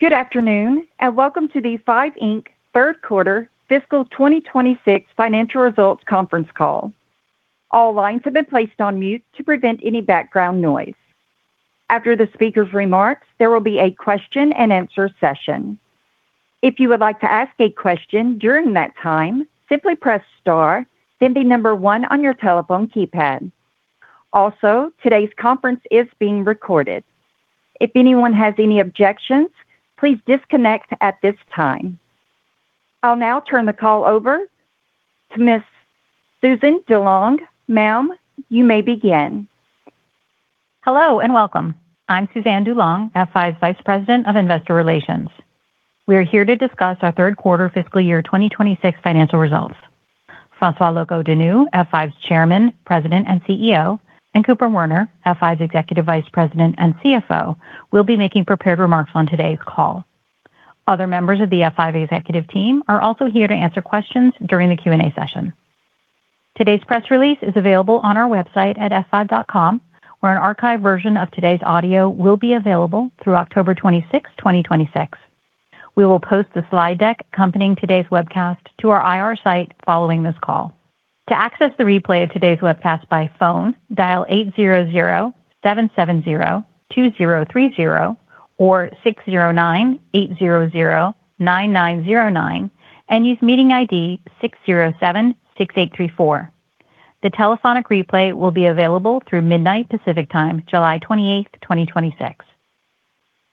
Good afternoon, and welcome to the F5, Inc. third quarter fiscal 2026 financial results conference call. All lines have been placed on mute to prevent any background noise. After the speaker's remarks, there will be a question and answer session. If you would like to ask a question during that time, simply press star, then the number one on your telephone keypad. Also, today's conference is being recorded. If anyone has any objections, please disconnect at this time. I'll now turn the call over to Ms. Suzanne DuLong. Ma'am, you may begin. Hello and welcome. I'm Suzanne DuLong, F5's Vice President of Investor Relations. We are here to discuss our third quarter fiscal year 2026 financial results. François Locoh-Donou, F5's Chairman, President, and CEO, and Cooper Werner, F5's Executive Vice President and CFO will be making prepared remarks on today's call. Other members of the F5 executive team are also here to answer questions during the Q&A session. Today's press release is available on our website at f5.com, where an archive version of today's audio will be available through October 26th, 2026. We will post the slide deck accompanying today's webcast to our IR site following this call. To access the replay of today's webcast by phone, dial 800-770-2030 or 609-800-9909 and use meeting ID 6076834. The telephonic replay will be available through midnight Pacific Time, July 28th, 2026.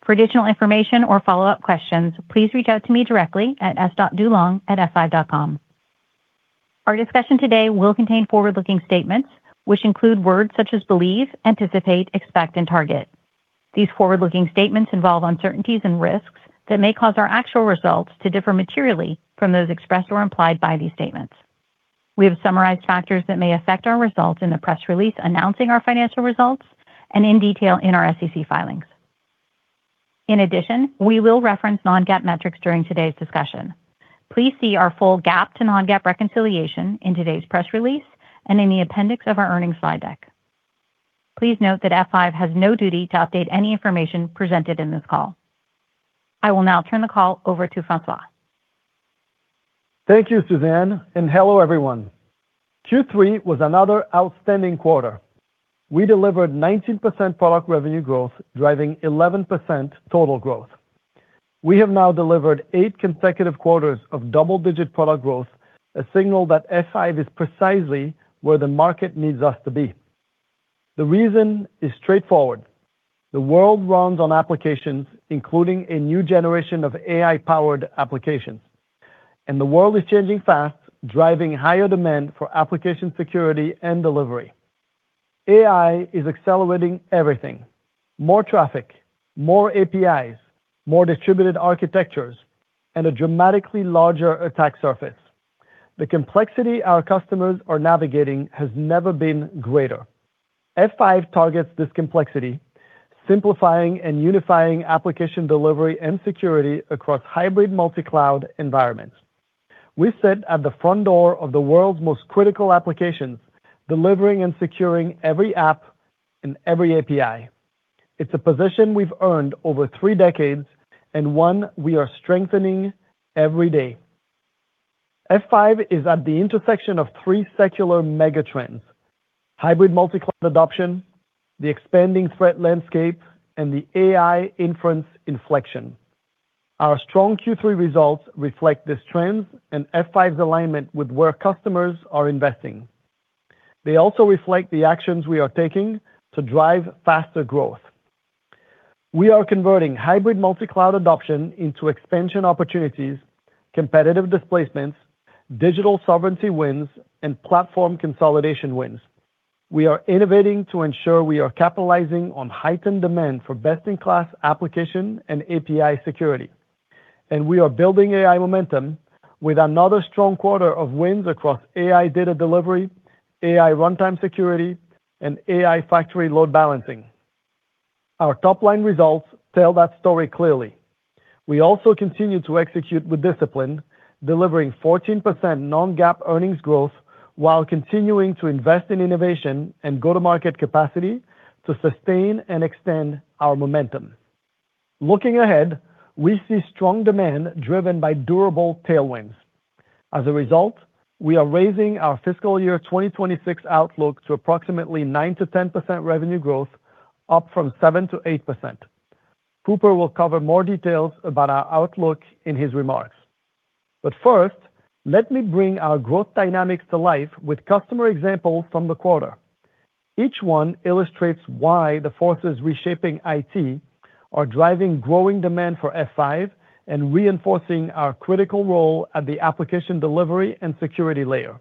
For additional information or follow-up questions, please reach out to me directly at s.dulong@F5.com. Our discussion today will contain forward-looking statements, which include words such as believe, anticipate, expect, and target. These forward-looking statements involve uncertainties and risks that may cause our actual results to differ materially from those expressed or implied by these statements. We have summarized factors that may affect our results in the press release announcing our financial results, and in detail in our SEC filings. In addition, we will reference non-GAAP metrics during today's discussion. Please see our full GAAP to non-GAAP reconciliation in today's press release and in the appendix of our earnings slide deck. Please note that F5 has no duty to update any information presented in this call. I will now turn the call over to François. Thank you, Suzanne, and hello, everyone. Q3 was another outstanding quarter. We delivered 19% product revenue growth, driving 11% total growth. We have now delivered eight consecutive quarters of double-digit product growth, a signal that F5 is precisely where the market needs us to be. The reason is straightforward. The world runs on applications, including a new generation of AI-powered applications. The world is changing fast, driving higher demand for application security and delivery. AI is accelerating everything. More traffic, more APIs, more distributed architectures, and a dramatically larger attack surface. The complexity our customers are navigating has never been greater. F5 targets this complexity, simplifying and unifying application delivery and security across hybrid multi-cloud environments. We sit at the front door of the world's most critical applications, delivering and securing every app and every API. It's a position we've earned over three decades and one we are strengthening every day. F5 is at the intersection of three secular mega trends. Hybrid multi-cloud adoption, the expanding threat landscape, and the AI inference inflection. Our strong Q3 results reflect this trend and F5's alignment with where customers are investing. They also reflect the actions we are taking to drive faster growth. We are converting hybrid multi-cloud adoption into expansion opportunities, competitive displacements, digital sovereignty wins, and platform consolidation wins. We are innovating to ensure we are capitalizing on heightened demand for best-in-class application and API security. We are building AI momentum with another strong quarter of wins across AI data delivery, AI runtime security, and AI factory load balancing. Our top-line results tell that story clearly. We also continue to execute with discipline, delivering 14% non-GAAP earnings growth while continuing to invest in innovation and go-to-market capacity to sustain and extend our momentum. Looking ahead, we see strong demand driven by durable tailwinds. As a result, we are raising our fiscal year 2026 outlook to approximately 9%-10% revenue growth, up from 7%-8%. Cooper will cover more details about our outlook in his remarks. First, let me bring our growth dynamics to life with customer examples from the quarter. Each one illustrates why the forces reshaping IT are driving growing demand for F5 and reinforcing our critical role at the application delivery and security layer.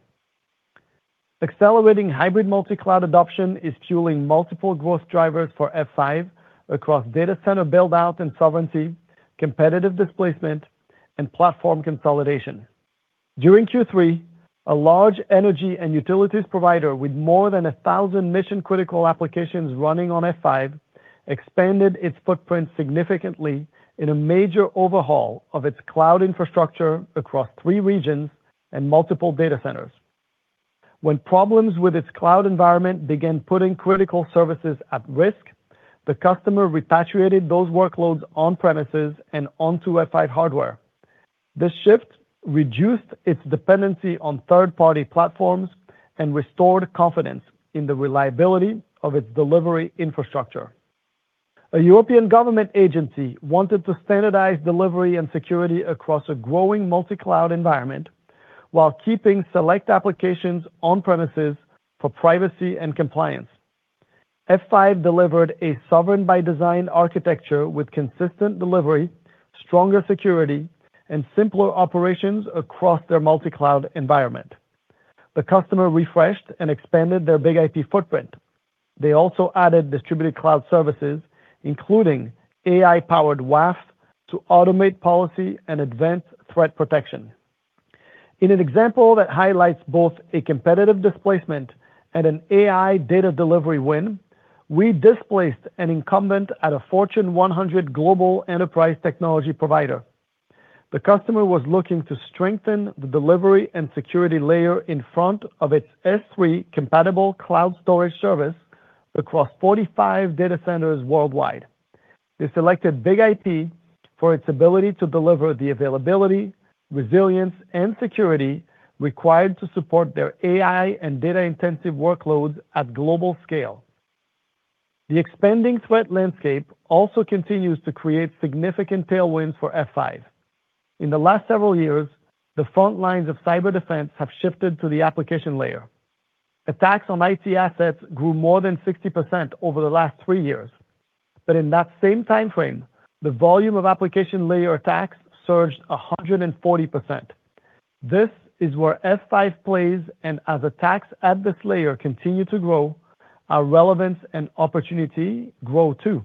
Accelerating hybrid multi-cloud adoption is fueling multiple growth drivers for F5 across data center build-out and sovereignty, competitive displacement, and platform consolidation. During Q3, a large energy and utilities provider with more than 1,000 mission-critical applications running on F5 expanded its footprint significantly in a major overhaul of its cloud infrastructure across three regions and multiple data centers. When problems with its cloud environment began putting critical services at risk, the customer repatriated those workloads on premises and onto F5 hardware. This shift reduced its dependency on third-party platforms and restored confidence in the reliability of its delivery infrastructure. A European government agency wanted to standardize delivery and security across a growing multi-cloud environment while keeping select applications on premises for privacy and compliance. F5 delivered a sovereign-by-design architecture with consistent delivery, stronger security, and simpler operations across their multi-cloud environment. The customer refreshed and expanded their BIG-IP footprint. They also added distributed cloud services, including AI-powered WAF, to automate policy and advance threat protection. In an example that highlights both a competitive displacement and an AI data delivery win, we displaced an incumbent at a Fortune 100 global enterprise technology provider. The customer was looking to strengthen the delivery and security layer in front of its S3-compatible cloud storage service across 45 data centers worldwide. They selected BIG-IP for its ability to deliver the availability, resilience, and security required to support their AI and data-intensive workloads at global scale. The expanding threat landscape also continues to create significant tailwinds for F5. In the last several years, the front lines of cyber defense have shifted to the application layer. Attacks on IT assets grew more than 60% over the last three years. In that same timeframe, the volume of application layer attacks surged 140%. This is where F5 plays, as attacks at this layer continue to grow, our relevance and opportunity grow too.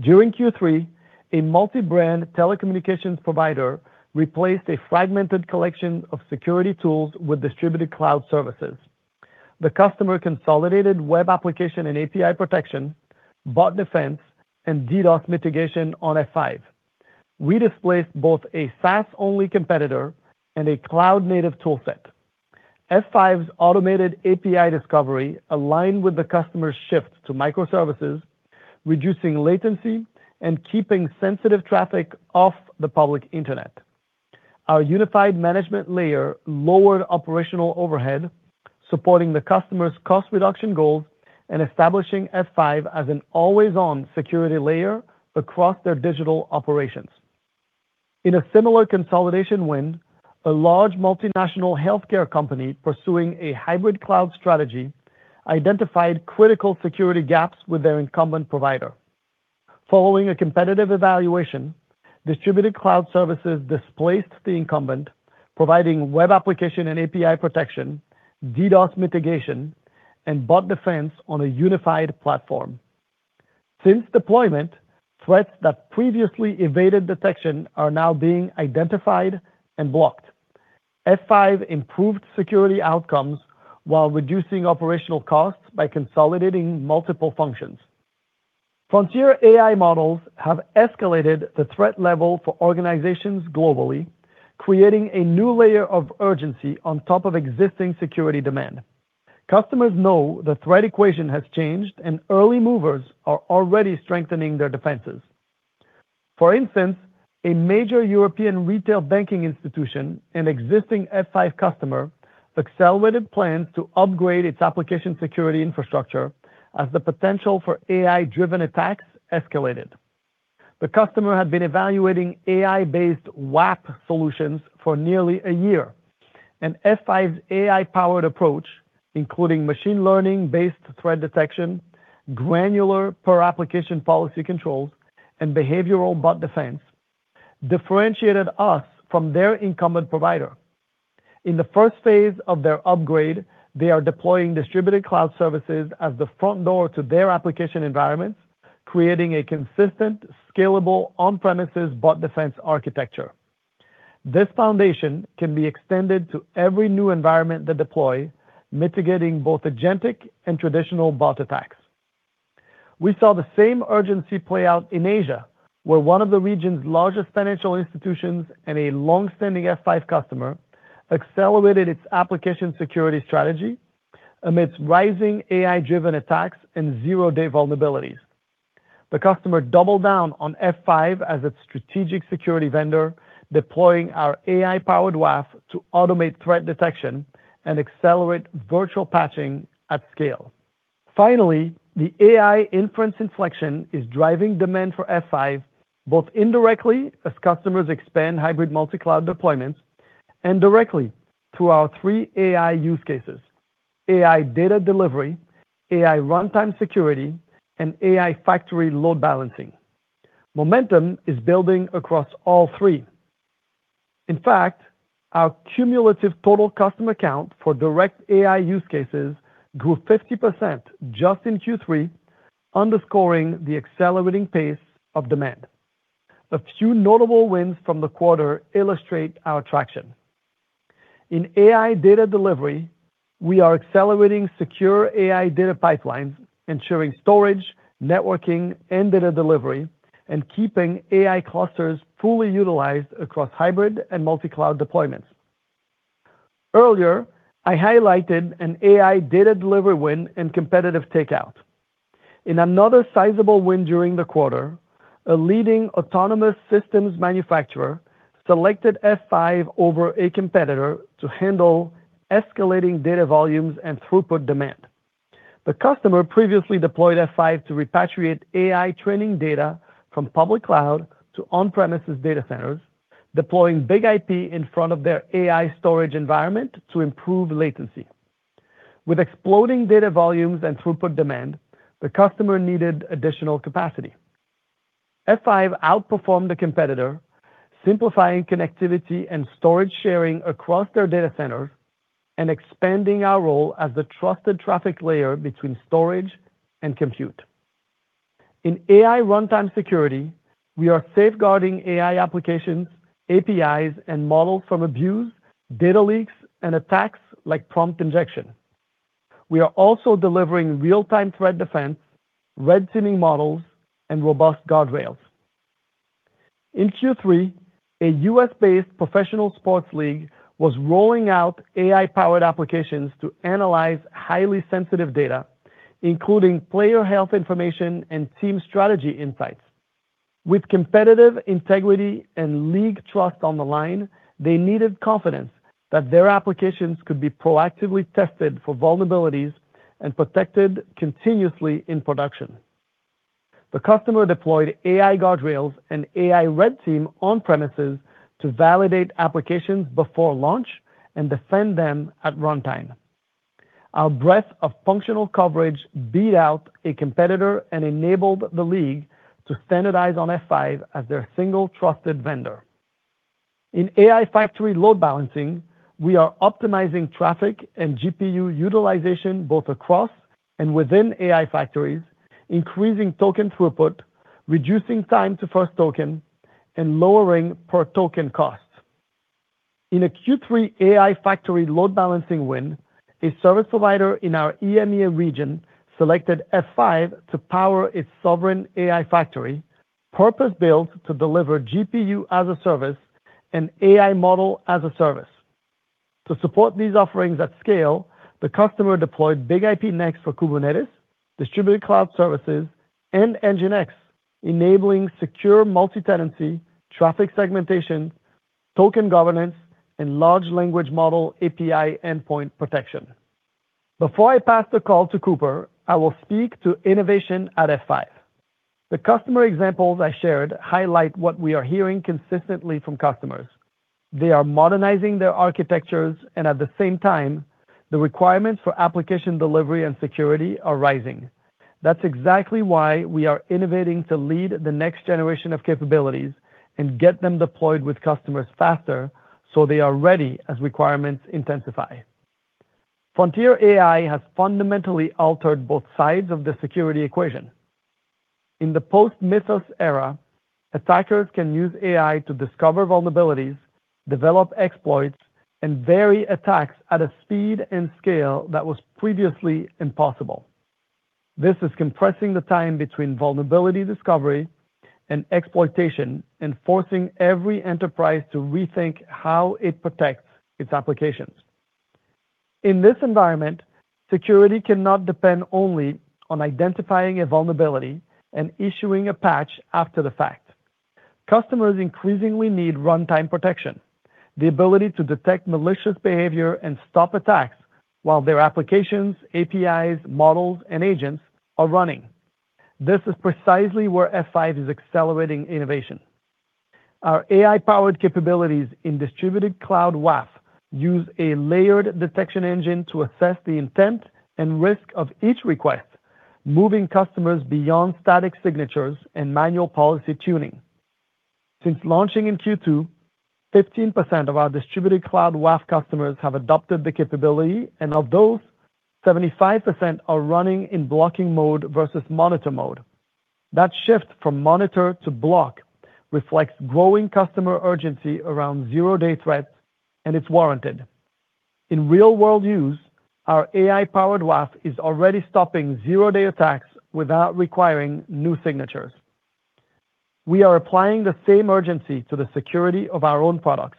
During Q3, a multi-brand telecommunications provider replaced a fragmented collection of security tools with F5 Distributed Cloud Services. The customer consolidated web application and API protection, bot defense, and DDoS mitigation on F5. We displaced both a SaaS-only competitor and a cloud-native toolset. F5's automated API discovery aligned with the customer's shift to microservices, reducing latency and keeping sensitive traffic off the public internet. Our unified management layer lowered operational overhead, supporting the customer's cost reduction goals and establishing F5 as an always-on security layer across their digital operations. In a similar consolidation win, a large multinational healthcare company pursuing a hybrid cloud strategy identified critical security gaps with their incumbent provider. Following a competitive evaluation, F5 Distributed Cloud Services displaced the incumbent, providing web application and API protection, DDoS mitigation, and bot defense on a unified platform. Since deployment, threats that previously evaded detection are now being identified and blocked. F5 improved security outcomes while reducing operational costs by consolidating multiple functions. Frontier AI models have escalated the threat level for organizations globally, creating a new layer of urgency on top of existing security demand. Customers know the threat equation has changed, and early movers are already strengthening their defenses. For instance, a major European retail banking institution, an existing F5 customer, accelerated plans to upgrade its application security infrastructure as the potential for AI-driven attacks escalated. The customer had been evaluating AI-based WAF solutions for nearly a year, and F5's AI-powered approach, including machine learning-based threat detection, granular per-application policy controls, and behavioral bot defense, differentiated us from their incumbent provider. In the first phase of their upgrade, they are deploying F5 Distributed Cloud Services as the front door to their application environments, creating a consistent, scalable on-premises bot defense architecture. This foundation can be extended to every new environment they deploy, mitigating both agentic and traditional bot attacks. We saw the same urgency play out in Asia, where one of the region's largest financial institutions and a longstanding F5 customer accelerated its application security strategy amidst rising AI-driven attacks and zero-day vulnerabilities. The customer doubled down on F5 as its strategic security vendor, deploying our AI-powered WAF to automate threat detection and accelerate virtual patching at scale. Finally, the AI inference inflection is driving demand for F5, both indirectly as customers expand hybrid multi-cloud deployments, and directly through our three AI use cases, AI data delivery, AI runtime security, and AI factory load balancing. Momentum is building across all three. In fact, our cumulative total customer count for direct AI use cases grew 50% just in Q3, underscoring the accelerating pace of demand. A few notable wins from the quarter illustrate our traction. In AI data delivery, we are accelerating secure AI data pipelines, ensuring storage, networking, and data delivery and keeping AI clusters fully utilized across hybrid and multi-cloud deployments. Earlier, I highlighted an AI data delivery win and competitive takeout. In another sizable win during the quarter, a leading autonomous systems manufacturer selected F5 over a competitor to handle escalating data volumes and throughput demand. The customer previously deployed F5 to repatriate AI training data from public cloud to on-premises data centers, deploying BIG-IP in front of their AI storage environment to improve latency. With exploding data volumes and throughput demand, the customer needed additional capacity. F5 outperformed the competitor, simplifying connectivity and storage sharing across their data centers, and expanding our role as the trusted traffic layer between storage and compute. In AI runtime security, we are safeguarding AI applications, APIs, and models from abuse, data leaks, and attacks like prompt injection. We are also delivering real-time threat defense, red teaming models, and robust guardrails. In Q3, a U.S.-based professional sports league was rolling out AI-powered applications to analyze highly sensitive data, including player health information and team strategy insights. With competitive integrity and league trust on the line, they needed confidence that their applications could be proactively tested for vulnerabilities and protected continuously in production. The customer deployed F5 AI Guardrails and F5 AI Red Team on premises to validate applications before launch and defend them at runtime. Our breadth of functional coverage beat out a competitor and enabled the league to standardize on F5 as their single trusted vendor. In AI factory load balancing, we are optimizing traffic and GPU utilization both across and within AI factories, increasing token throughput, reducing time to first token, and lowering per-token costs. In a Q3 AI factory load balancing win, a service provider in our EMEA region selected F5 to power its sovereign AI factory, purpose-built to deliver GPU as a service and AI model as a service. To support these offerings at scale, the customer deployed BIG-IP Next for Kubernetes, F5 Distributed Cloud Services, and NGINX, enabling secure multi-tenancy, traffic segmentation, token governance, and large language model API endpoint protection. Before I pass the call to Cooper, I will speak to innovation at F5. The customer examples I shared highlight what we are hearing consistently from customers. They are modernizing their architectures, and at the same time, the requirements for application delivery and security are rising. That's exactly why we are innovating to lead the next generation of capabilities and get them deployed with customers faster so they are ready as requirements intensify. Frontier AI has fundamentally altered both sides of the security equation. In the post-Mythos era, attackers can use AI to discover vulnerabilities, develop exploits, and vary attacks at a speed and scale that was previously impossible. This is compressing the time between vulnerability discovery and exploitation and forcing every enterprise to rethink how it protects its applications. In this environment, security cannot depend only on identifying a vulnerability and issuing a patch after the fact. Customers increasingly need runtime protection, the ability to detect malicious behavior and stop attacks while their applications, APIs, models, and agents are running. This is precisely where F5 is accelerating innovation. Our AI-powered capabilities in F5 Distributed Cloud WAF use a layered detection engine to assess the intent and risk of each request, moving customers beyond static signatures and manual policy tuning. Since launching in Q2, 15% of our F5 Distributed Cloud WAF customers have adopted the capability, and of those, 75% are running in blocking mode versus monitor mode. That shift from monitor to block reflects growing customer urgency around zero-day threats, and it's warranted. In real-world use, our AI-powered WAF is already stopping zero-day attacks without requiring new signatures. We are applying the same urgency to the security of our own products.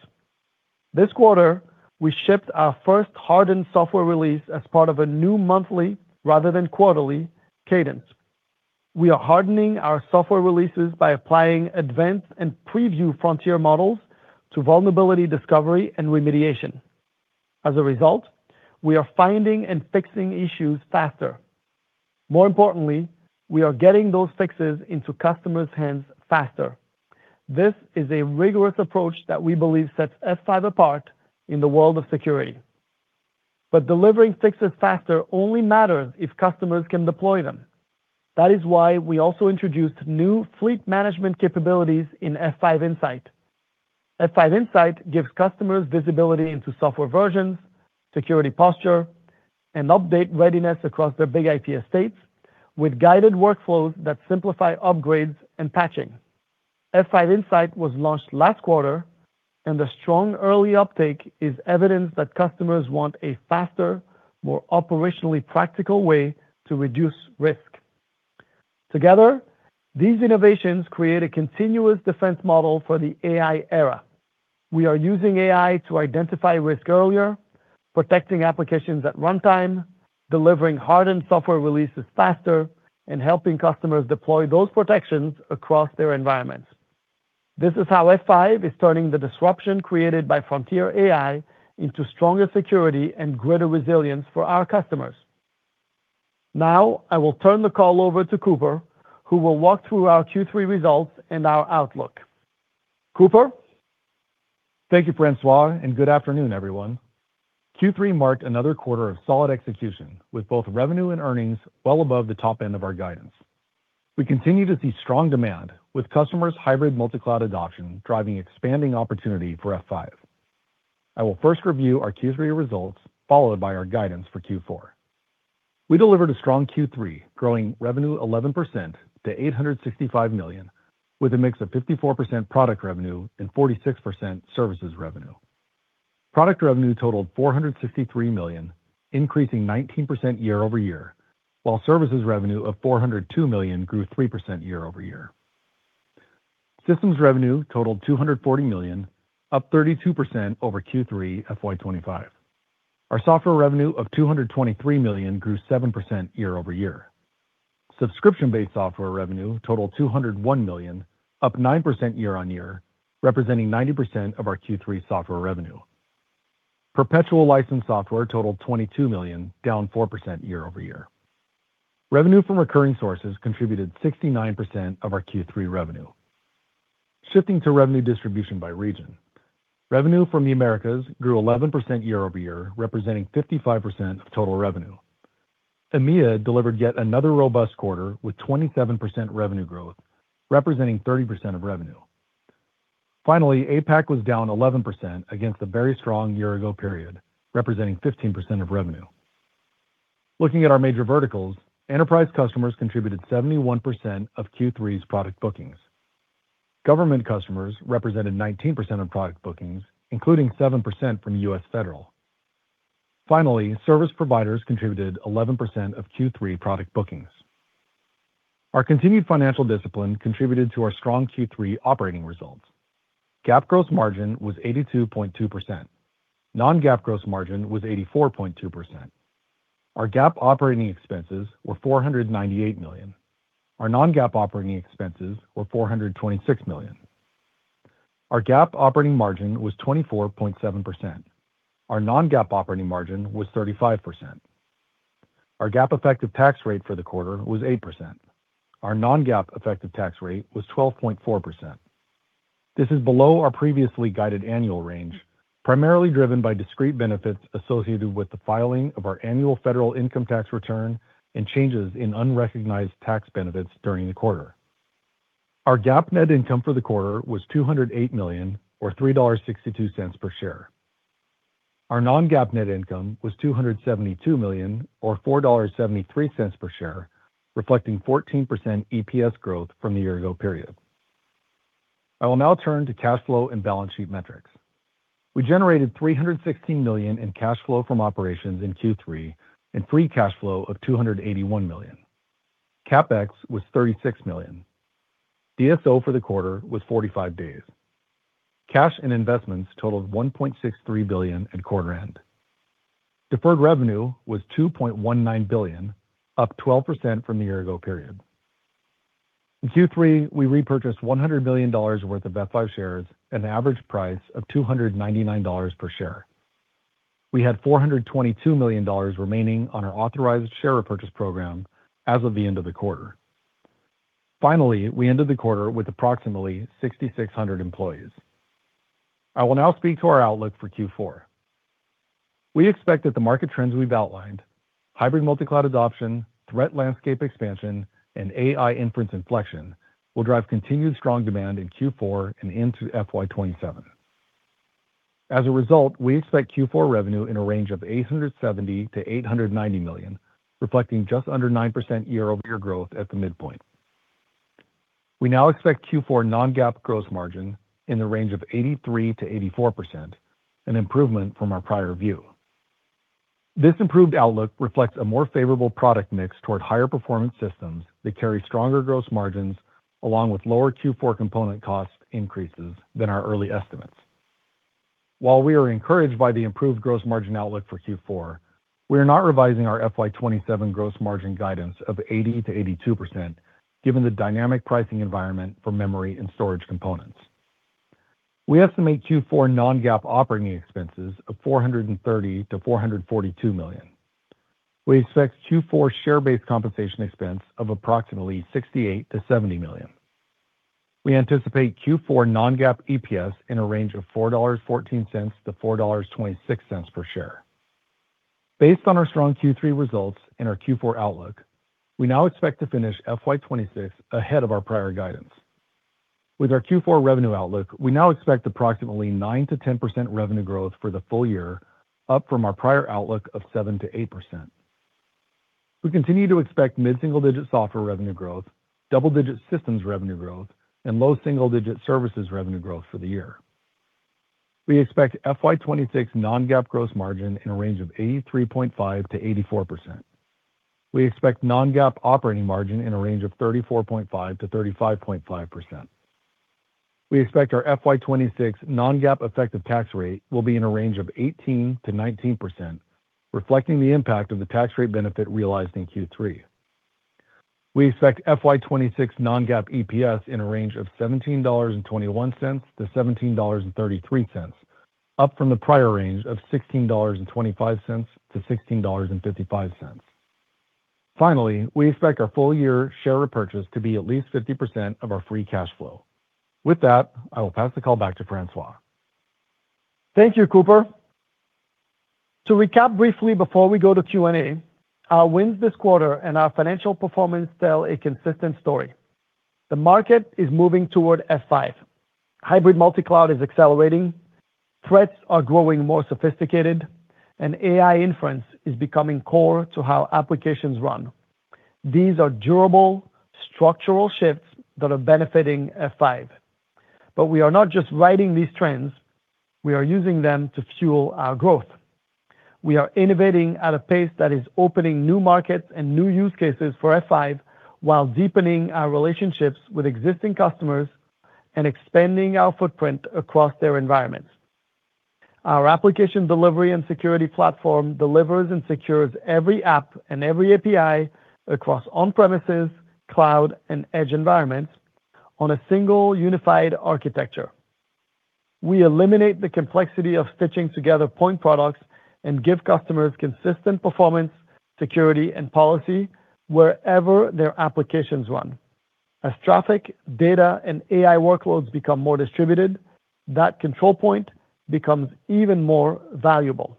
This quarter, we shipped our first hardened software release as part of a new monthly rather than quarterly cadence. We are hardening our software releases by applying advanced and preview frontier models to vulnerability discovery and remediation. As a result, we are finding and fixing issues faster. More importantly, we are getting those fixes into customers' hands faster. This is a rigorous approach that we believe sets F5 apart in the world of security. Delivering fixes faster only matters if customers can deploy them. That is why we also introduced new fleet management capabilities in F5 Insight. F5 Insight gives customers visibility into software versions, security posture, and update readiness across their BIG-IP estates with guided workflows that simplify upgrades and patching. F5 Insight was launched last quarter, and the strong early uptake is evidence that customers want a faster, more operationally practical way to reduce risk. Together, these innovations create a continuous defense model for the AI era. We are using AI to identify risk earlier, protecting applications at runtime, delivering hardened software releases faster, and helping customers deploy those protections across their environments. This is how F5 is turning the disruption created by frontier AI into stronger security and greater resilience for our customers. Now, I will turn the call over to Cooper, who will walk through our Q3 results and our outlook. Cooper? Thank you, François, and good afternoon, everyone. Q3 marked another quarter of solid execution, with both revenue and earnings well above the top end of our guidance. We continue to see strong demand, with customers' hybrid multi-cloud adoption driving expanding opportunity for F5. I will first review our Q3 results, followed by our guidance for Q4. We delivered a strong Q3, growing revenue 11% to $865 million, with a mix of 54% product revenue and 46% services revenue. Product revenue totaled $463 million, increasing 19% YoY, while services revenue of $402 million grew 3% YoY. Systems revenue totaled $240 million, up 32% over Q3 FY 2025. Our software revenue of $223 million grew 7% YoY. Subscription-based software revenue totaled $201 million, up 9% year-on-year, representing 90% of our Q3 software revenue. Perpetual licensed software totaled $22 million, down 4% YoY. Revenue from recurring sources contributed 69% of our Q3 revenue. Shifting to revenue distribution by region. Revenue from the Americas grew 11% YoY, representing 55% of total revenue. EMEA delivered yet another robust quarter, with 27% revenue growth, representing 30% of revenue. Finally, APAC was down 11% against a very strong year ago period, representing 15% of revenue. Looking at our major verticals, enterprise customers contributed 71% of Q3's product bookings. Government customers represented 19% of product bookings, including 7% from U.S. federal. Finally, service providers contributed 11% of Q3 product bookings. Our continued financial discipline contributed to our strong Q3 operating results. GAAP gross margin was 82.2%. Non-GAAP gross margin was 84.2%. Our GAAP operating expenses were $498 million. Our non-GAAP operating expenses were $426 million. Our GAAP operating margin was 24.7%. Our non-GAAP operating margin was 35%. Our GAAP effective tax rate for the quarter was 8%. Our non-GAAP effective tax rate was 12.4%. This is below our previously guided annual range, primarily driven by discrete benefits associated with the filing of our annual federal income tax return and changes in unrecognized tax benefits during the quarter. Our GAAP net income for the quarter was $208 million, or $3.62 per share. Our non-GAAP net income was $272 million, or $4.73 per share, reflecting 14% EPS growth from the year-ago period. I will now turn to cash flow and balance sheet metrics. We generated $316 million in cash flow from operations in Q3 and free cash flow of $281 million. CapEx was $36 million. DSO for the quarter was 45 days. Cash and investments totaled $1.63 billion at quarter end. Deferred revenue was $2.19 billion, up 12% from the year-ago period. In Q3, we repurchased $100 million worth of F5 shares at an average price of $299 per share. We had $422 million remaining on our authorized share repurchase program as of the end of the quarter. Finally, we ended the quarter with approximately 6,600 employees. I will now speak to our outlook for Q4. We expect that the market trends we've outlined, hybrid multi-cloud adoption, threat landscape expansion, and AI inference inflection, will drive continued strong demand in Q4 and into FY 2027. As a result, we expect Q4 revenue in a range of $870 million to $890 million, reflecting just under 9% YoY growth at the midpoint. We now expect Q4 non-GAAP gross margin in the range of 83% to 84%, an improvement from our prior view. This improved outlook reflects a more favorable product mix toward higher performance systems that carry stronger gross margins along with lower Q4 component cost increases than our early estimates. While we are encouraged by the improved gross margin outlook for Q4, we are not revising our FY 2027 gross margin guidance of 80%-82% given the dynamic pricing environment for memory and storage components. We estimate Q4 non-GAAP operating expenses of $430 million-$442 million. We expect Q4 share-based compensation expense of approximately $68 million-$70 million. We anticipate Q4 non-GAAP EPS in a range of $4.14 to $4.26 per share. Based on our strong Q3 results and our Q4 outlook, we now expect to finish FY 2026 ahead of our prior guidance. With our Q4 revenue outlook, we now expect approximately 9%-10% revenue growth for the full year, up from our prior outlook of 7%-8%. We continue to expect mid-single-digit software revenue growth, double-digit systems revenue growth, and low single-digit services revenue growth for the year. We expect FY 2026 non-GAAP gross margin in a range of 83.5% to 84%. We expect non-GAAP operating margin in a range of 34.5% to 35.5%. We expect our FY 2026 non-GAAP effective tax rate will be in a range of 18% to 19%, reflecting the impact of the tax rate benefit realized in Q3. We expect FY 2026 non-GAAP EPS in a range of $17.21 to $17.33, up from the prior range of $16.25 to $16.55. Finally, we expect our full-year share repurchase to be at least 50% of our free cash flow. With that, I will pass the call back to François. Thank you, Cooper. To recap briefly before we go to Q&A, our wins this quarter and our financial performance tell a consistent story. The market is moving toward F5. Hybrid multi-cloud is accelerating, threats are growing more sophisticated, and AI inference is becoming core to how applications run. These are durable, structural shifts that are benefiting F5. We are not just riding these trends, we are using them to fuel our growth. We are innovating at a pace that is opening new markets and new use cases for F5 while deepening our relationships with existing customers and expanding our footprint across their environments. Our F5 Application Delivery and Security Platform delivers and secures every app and every API across on-premises, cloud, and edge environments on a single unified architecture. We eliminate the complexity of stitching together point products and give customers consistent performance, security, and policy wherever their applications run. As traffic, data, and AI workloads become more distributed, that control point becomes even more valuable.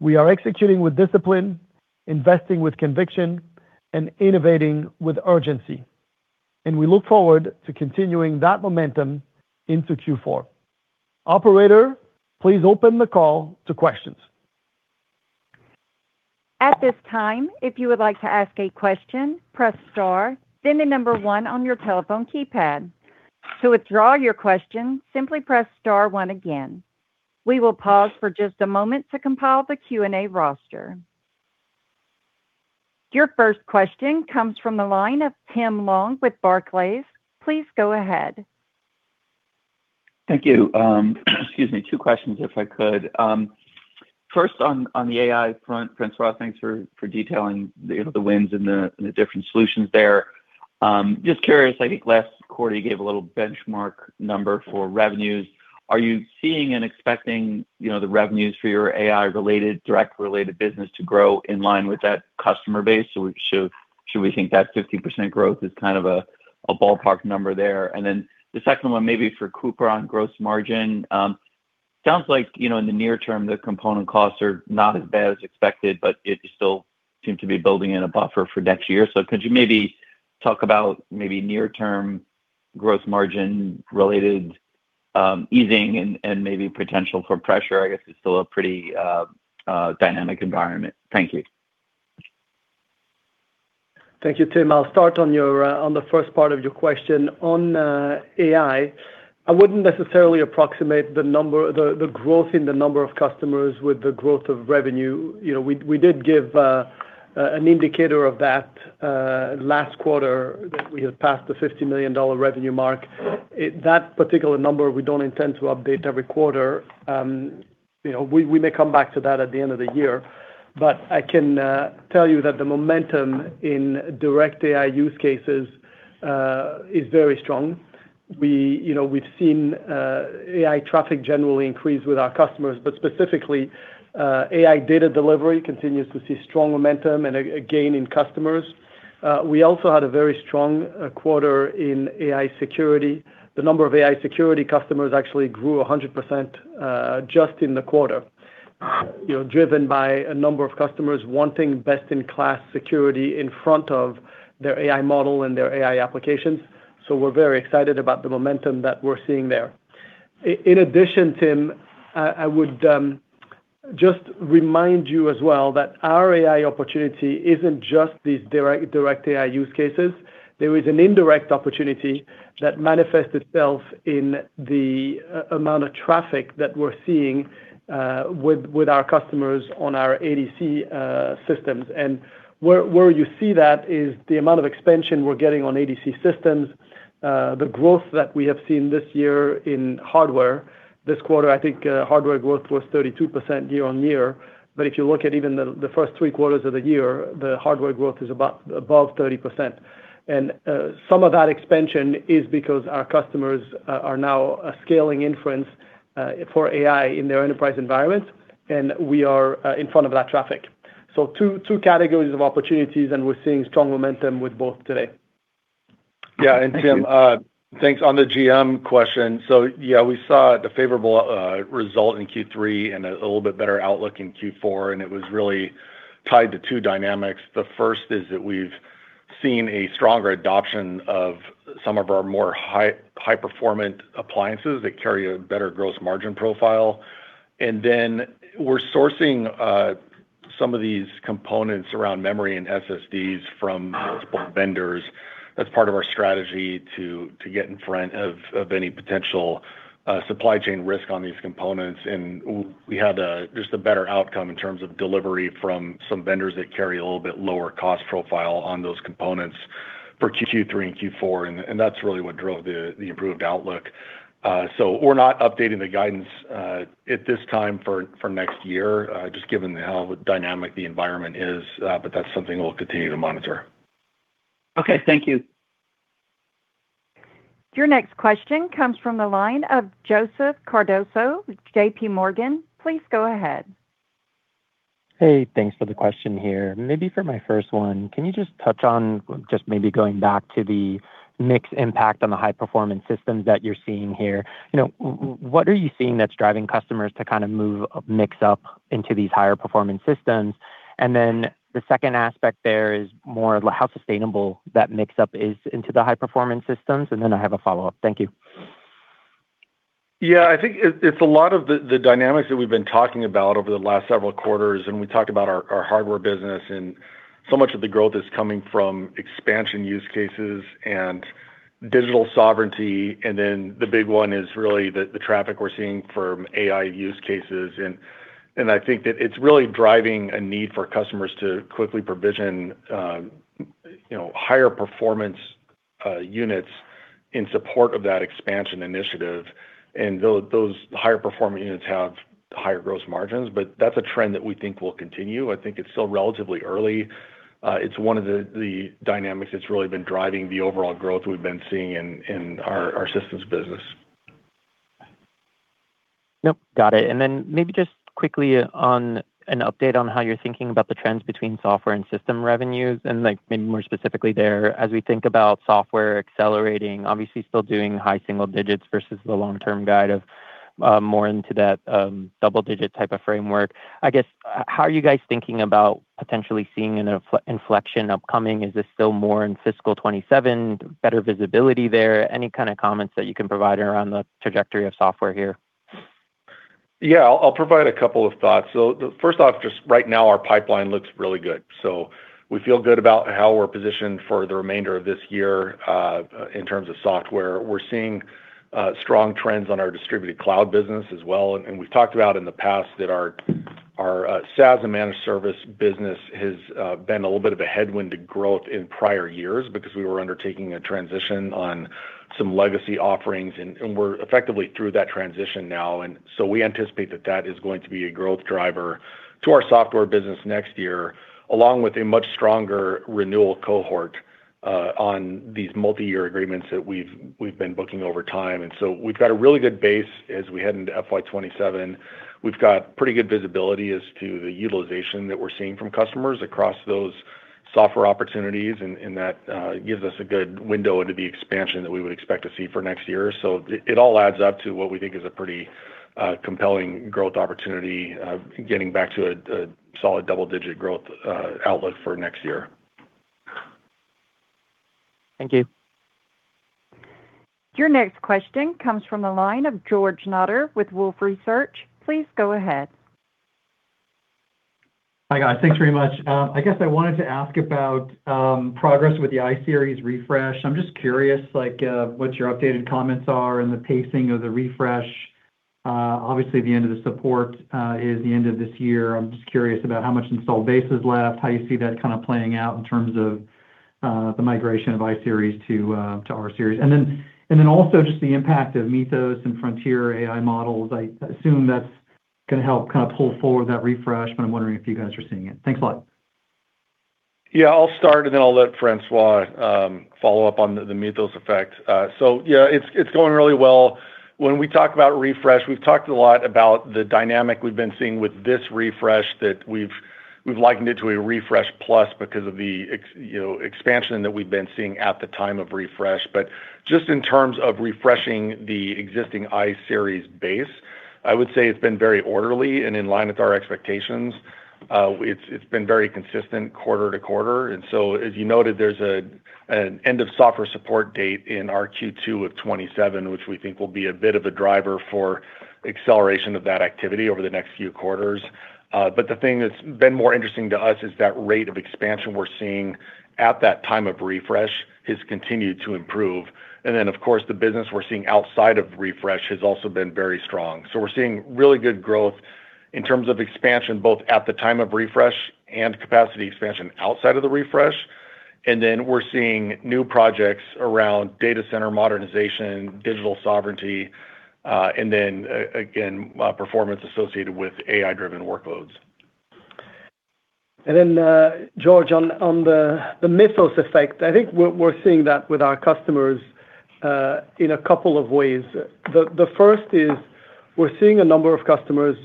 We are executing with discipline, investing with conviction, and innovating with urgency, we look forward to continuing that momentum into Q4. Operator, please open the call to questions. At this time, if you would like to ask a question, press star, then the number one on your telephone keypad. To withdraw your question, simply press star one again. We will pause for just a moment to compile the Q&A roster. Your first question comes from the line of Tim Long with Barclays. Please go ahead. Thank you. Excuse me. Two questions if I could. First, on the AI front, François, thanks for detailing the wins and the different solutions there. Just curious, I think last quarter you gave a little benchmark number for revenues. Are you seeing and expecting the revenues for your AI-related, direct related business to grow in line with that customer base? Should we think that 50% growth is a ballpark number there? Then the second one may be for Cooper on gross margin. Sounds like, in the near term, the component costs are not as bad as expected, you still seem to be building in a buffer for next year. Could you maybe talk about near-term gross margin-related easing and maybe potential for pressure? I guess it's still a pretty dynamic environment. Thank you. Thank you, Tim. I'll start on the first part of your question. On AI, I wouldn't necessarily approximate the growth in the number of customers with the growth of revenue. We did give an indicator of that last quarter that we had passed the $50 million revenue mark. That particular number we don't intend to update every quarter. We may come back to that at the end of the year, but I can tell you that the momentum in direct AI use cases is very strong. We've seen AI traffic generally increase with our customers, but specifically, AI data delivery continues to see strong momentum and a gain in customers. We also had a very strong quarter in AI security. The number of AI security customers actually grew 100% just in the quarter, driven by a number of customers wanting best-in-class security in front of their AI model and their AI applications. We're very excited about the momentum that we're seeing there. In addition, Tim, I would just remind you as well that our AI opportunity isn't just these direct AI use cases. There is an indirect opportunity that manifests itself in the amount of traffic that we're seeing with our customers on our ADC systems. Where you see that is the amount of expansion we're getting on ADC systems, the growth that we have seen this year in hardware. This quarter, I think hardware growth was 32% YoY. If you look at even the first three quarters of the year, the hardware growth is above 30%. Some of that expansion is because our customers are now scaling inference for AI in their enterprise environments, and we are in front of that traffic. Two categories of opportunities, and we're seeing strong momentum with both today. Tim, thanks. On the GM question, we saw the favorable result in Q3 and a little bit better outlook in Q4, and it was really tied to two dynamics. The first is that we've, seeing a stronger adoption of some of our more high-performance appliances that carry a better gross margin profile. We're sourcing some of these components around memory and SSDs from multiple vendors as part of our strategy to get in front of any potential supply chain risk on these components. We had just a better outcome in terms of delivery from some vendors that carry a little bit lower cost profile on those components for Q3 and Q4. That's really what drove the improved outlook. We're not updating the guidance at this time for next year, just given how dynamic the environment is. That's something we'll continue to monitor. Okay. Thank you. Your next question comes from the line of Joseph Cardoso with J.P. Morgan. Please go ahead. Hey, thanks for the question here. Maybe for my first one, can you just touch on, maybe going back to the mix impact on the high-performance systems that you're seeing here. What are you seeing that's driving customers to kind of move mix-up into these higher performance systems? The second aspect there is more how sustainable that mix-up is into the high-performance systems. I have a follow-up. Thank you. I think it's a lot of the dynamics that we've been talking about over the last several quarters. We talked about our hardware business, and so much of the growth is coming from expansion use cases and digital sovereignty. The big one is really the traffic we're seeing from AI use cases. I think that it's really driving a need for customers to quickly provision higher performance units in support of that expansion initiative. Those higher performing units have higher gross margins. That's a trend that we think will continue. I think it's still relatively early. It's one of the dynamics that's really been driving the overall growth we've been seeing in our systems business. Got it. Maybe just quickly on an update on how you're thinking about the trends between software and system revenues, and maybe more specifically there as we think about software accelerating, obviously still doing high single digits versus the long-term guide of more into that double-digit type of framework. I guess, how are you guys thinking about potentially seeing an inflection upcoming? Is this still more in FY 2027, better visibility there? Any kind of comments that you can provide around the trajectory of software here? I'll provide a couple of thoughts. First off, just right now our pipeline looks really good. We feel good about how we're positioned for the remainder of this year in terms of software. We're seeing strong trends on our distributed cloud business as well. We've talked about in the past that our SaaS and managed service business has been a little bit of a headwind to growth in prior years because we were undertaking a transition on some legacy offerings. We're effectively through that transition now. We anticipate that that is going to be a growth driver to our software business next year, along with a much stronger renewal cohort on these multi-year agreements that we've been booking over time. We've got a really good base as we head into FY 2027. We've got pretty good visibility as to the utilization that we're seeing from customers across those software opportunities. That gives us a good window into the expansion that we would expect to see for next year. It all adds up to what we think is a pretty compelling growth opportunity, getting back to a solid double-digit growth outlook for next year. Thank you. Your next question comes from the line of George Notter with Wolfe Research. Please go ahead. Hi, guys. Thanks very much. I guess I wanted to ask about progress with the iSeries refresh. I'm just curious what your updated comments are and the pacing of the refresh. Obviously, the end of the support is the end of this year. I'm just curious about how much install base is left, how you see that kind of playing out in terms of the migration of iSeries to rSeries. Also just the impact of Mythos and Frontier AI models. I assume that's going to help kind of pull forward that refresh, but I'm wondering if you guys are seeing it. Thanks a lot. Yeah, I'll start. Then I'll let François follow up on the Mythos effect. Yeah, it's going really well. When we talk about refresh, we've talked a lot about the dynamic we've been seeing with this refresh that we've likened it to a refresh plus because of the expansion that we've been seeing at the time of refresh. Just in terms of refreshing the existing iSeries base, I would say it's been very orderly and in line with our expectations. It's been very consistent quarter to quarter. As you noted, there's an end of software support date in our Q2 of 2027, which we think will be a bit of a driver for acceleration of that activity over the next few quarters. The thing that's been more interesting to us is that rate of expansion we're seeing at that time of refresh has continued to improve. Of course, the business we're seeing outside of refresh has also been very strong. We're seeing really good growth in terms of expansion, both at the time of refresh and capacity expansion outside of the refresh. We're seeing new projects around data center modernization, digital sovereignty, and again, performance associated with AI-driven workloads. George, on the Mythos effect, I think we're seeing that with our customers in a couple of ways. The first is we're seeing a number of customers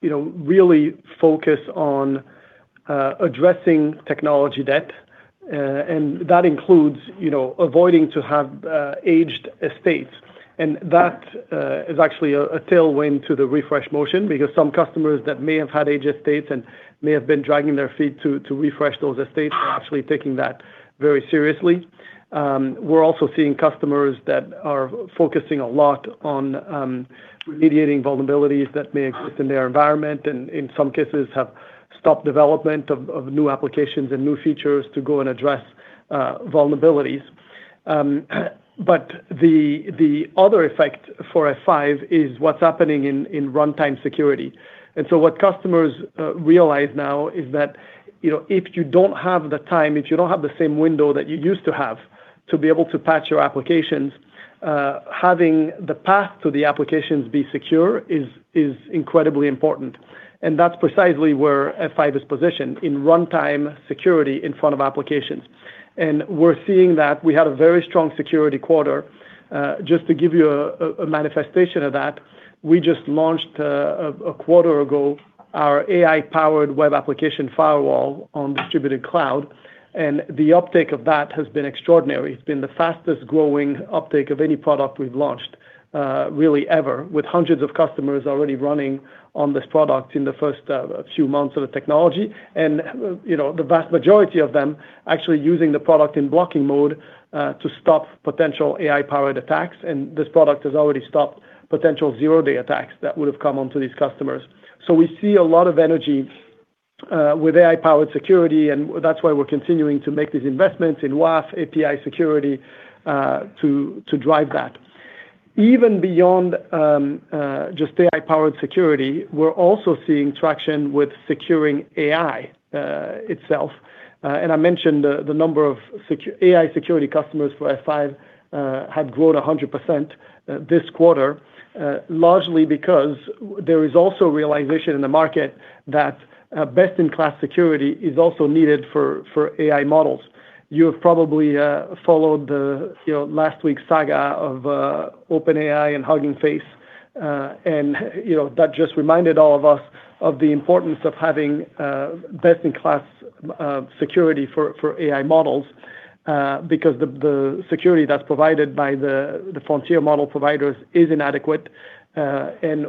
really focus on addressing technology debt, and that includes avoiding to have aged estates. That is actually a tailwind to the refresh motion because some customers that may have had aged estates and may have been dragging their feet to refresh those estates are actually taking that very seriously. We're also seeing customers that are focusing a lot on remediating vulnerabilities that may exist in their environment, and in some cases have stopped development of new applications and new features to go and address vulnerabilities. The other effect for F5 is what's happening in runtime security. What customers realize now is that, if you don't have the time, if you don't have the same window that you used to have to be able to patch your applications, having the path to the applications be secure is incredibly important. That's precisely where F5 is positioned, in runtime security in front of applications. We're seeing that. We had a very strong security quarter. Just to give you a manifestation of that, we just launched, a quarter ago, our AI-powered web application firewall on distributed cloud, and the uptake of that has been extraordinary. It's been the fastest-growing uptake of any product we've launched, really ever, with hundreds of customers already running on this product in the first few months of the technology. The vast majority of them actually using the product in blocking mode to stop potential AI-powered attacks. This product has already stopped potential zero-day attacks that would have come onto these customers. We see a lot of energy with AI-powered security, and that's why we're continuing to make these investments in WAF API security to drive that. Even beyond just AI-powered security, we're also seeing traction with securing AI itself. I mentioned the number of AI security customers for F5 have grown 100% this quarter, largely because there is also realization in the market that best-in-class security is also needed for AI models. You have probably followed last week's saga of OpenAI and Hugging Face, and that just reminded all of us of the importance of having best-in-class security for AI models, because the security that's provided by the frontier model providers is inadequate.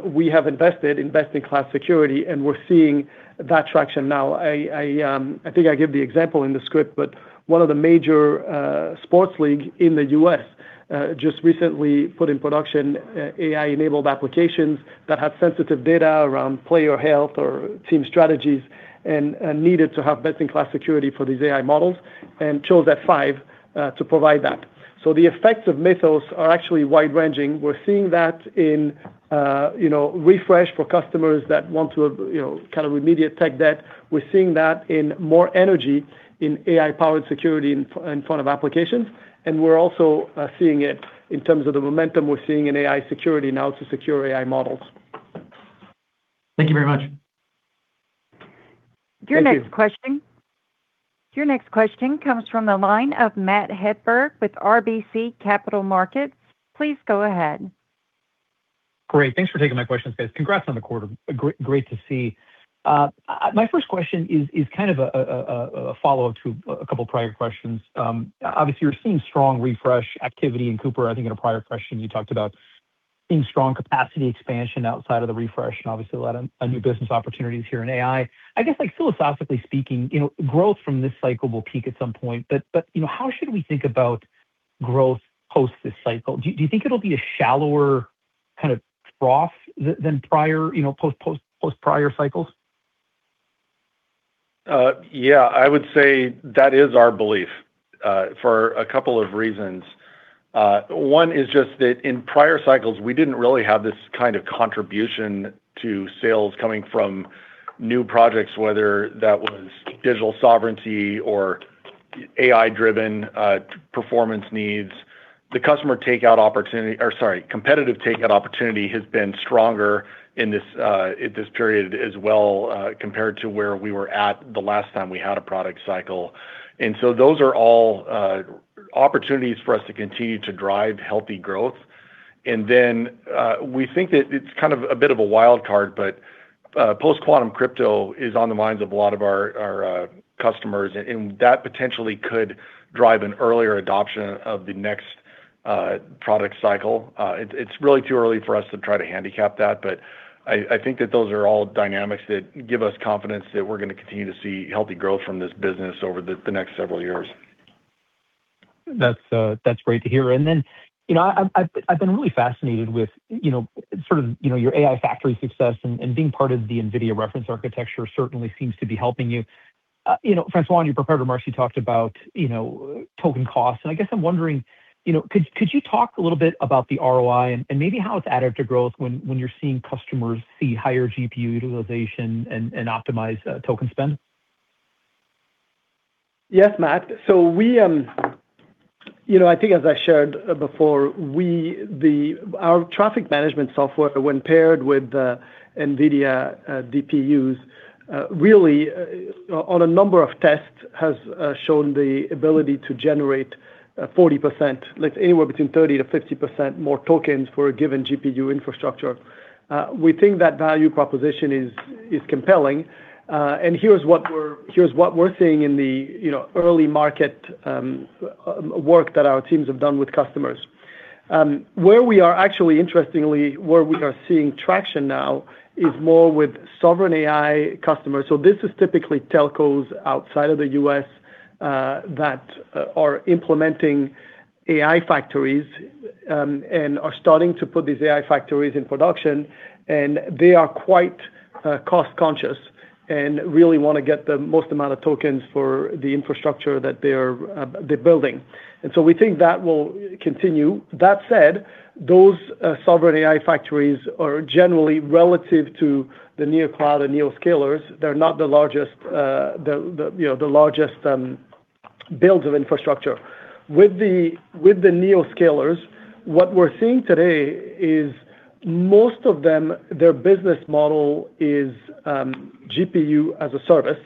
We have invested in best-in-class security, and we're seeing that traction now. I think I give the example in the script, but one of the major sports leagues in the U.S. just recently put in production AI-enabled applications that have sensitive data around player health or team strategies and needed to have best-in-class security for these AI models and chose F5 to provide that. The effects of Mythos are actually wide-ranging. We're seeing that in refresh for customers that want to kind of remediate tech debt. We're seeing that in more energy in AI-powered security in front of applications. We're also seeing it in terms of the momentum we're seeing in AI security now to secure AI models. Thank you very much. Your next question- Thank you Your next question comes from the line of Matt Hedberg with RBC Capital Markets. Please go ahead. Great. Thanks for taking my questions, guys. Congrats on the quarter. Great to see. My first question is kind of a follow-up to a couple of prior questions. Obviously, you're seeing strong refresh activity in Cooper. I think in a prior question, you talked about seeing strong capacity expansion outside of the refresh, and obviously a lot of new business opportunities here in AI. I guess philosophically speaking, growth from this cycle will peak at some point. How should we think about growth post this cycle? Do you think it'll be a shallower kind of trough than post prior cycles? Yeah, I would say that is our belief, for a couple of reasons. One is just that in prior cycles, we didn't really have this kind of contribution to sales coming from new projects, whether that was digital sovereignty or AI-driven performance needs. The customer takeout opportunity-- or sorry, competitive takeout opportunity has been stronger in this period as well, compared to where we were at the last time we had a product cycle. Those are all opportunities for us to continue to drive healthy growth. We think that it's kind of a bit of a wild card, but post-quantum crypto is on the minds of a lot of our customers, and that potentially could drive an earlier adoption of the next product cycle. It's really too early for us to try to handicap that, but I think that those are all dynamics that give us confidence that we're going to continue to see healthy growth from this business over the next several years. That's great to hear. I've been really fascinated with sort of your AI factory success and being part of the NVIDIA reference architecture certainly seems to be helping you. François, in your prepared remarks, you talked about token costs, I guess I'm wondering, could you talk a little bit about the ROI and maybe how it's added to growth when you're seeing customers see higher GPU utilization and optimize token spend? Yes, Matt. I think as I shared before, our traffic management software, when paired with NVIDIA DPUs, really on a number of tests has shown the ability to generate 40%, like anywhere between 30%-50% more tokens for a given GPU infrastructure. We think that value proposition is compelling. Here's what we're seeing in the early market work that our teams have done with customers. Where we are actually, interestingly, where we are seeing traction now is more with sovereign AI customers. This is typically telcos outside of the U.S. that are implementing AI factories and are starting to put these AI factories in production, and they are quite cost-conscious and really want to get the most amount of tokens for the infrastructure that they're building. We think that will continue. That said, those sovereign AI factories are generally relative to the neo-cloud and neo-scalers. They're not the largest build of infrastructure. With the neo-scalers, what we're seeing today is most of them, their business model is GPU as a service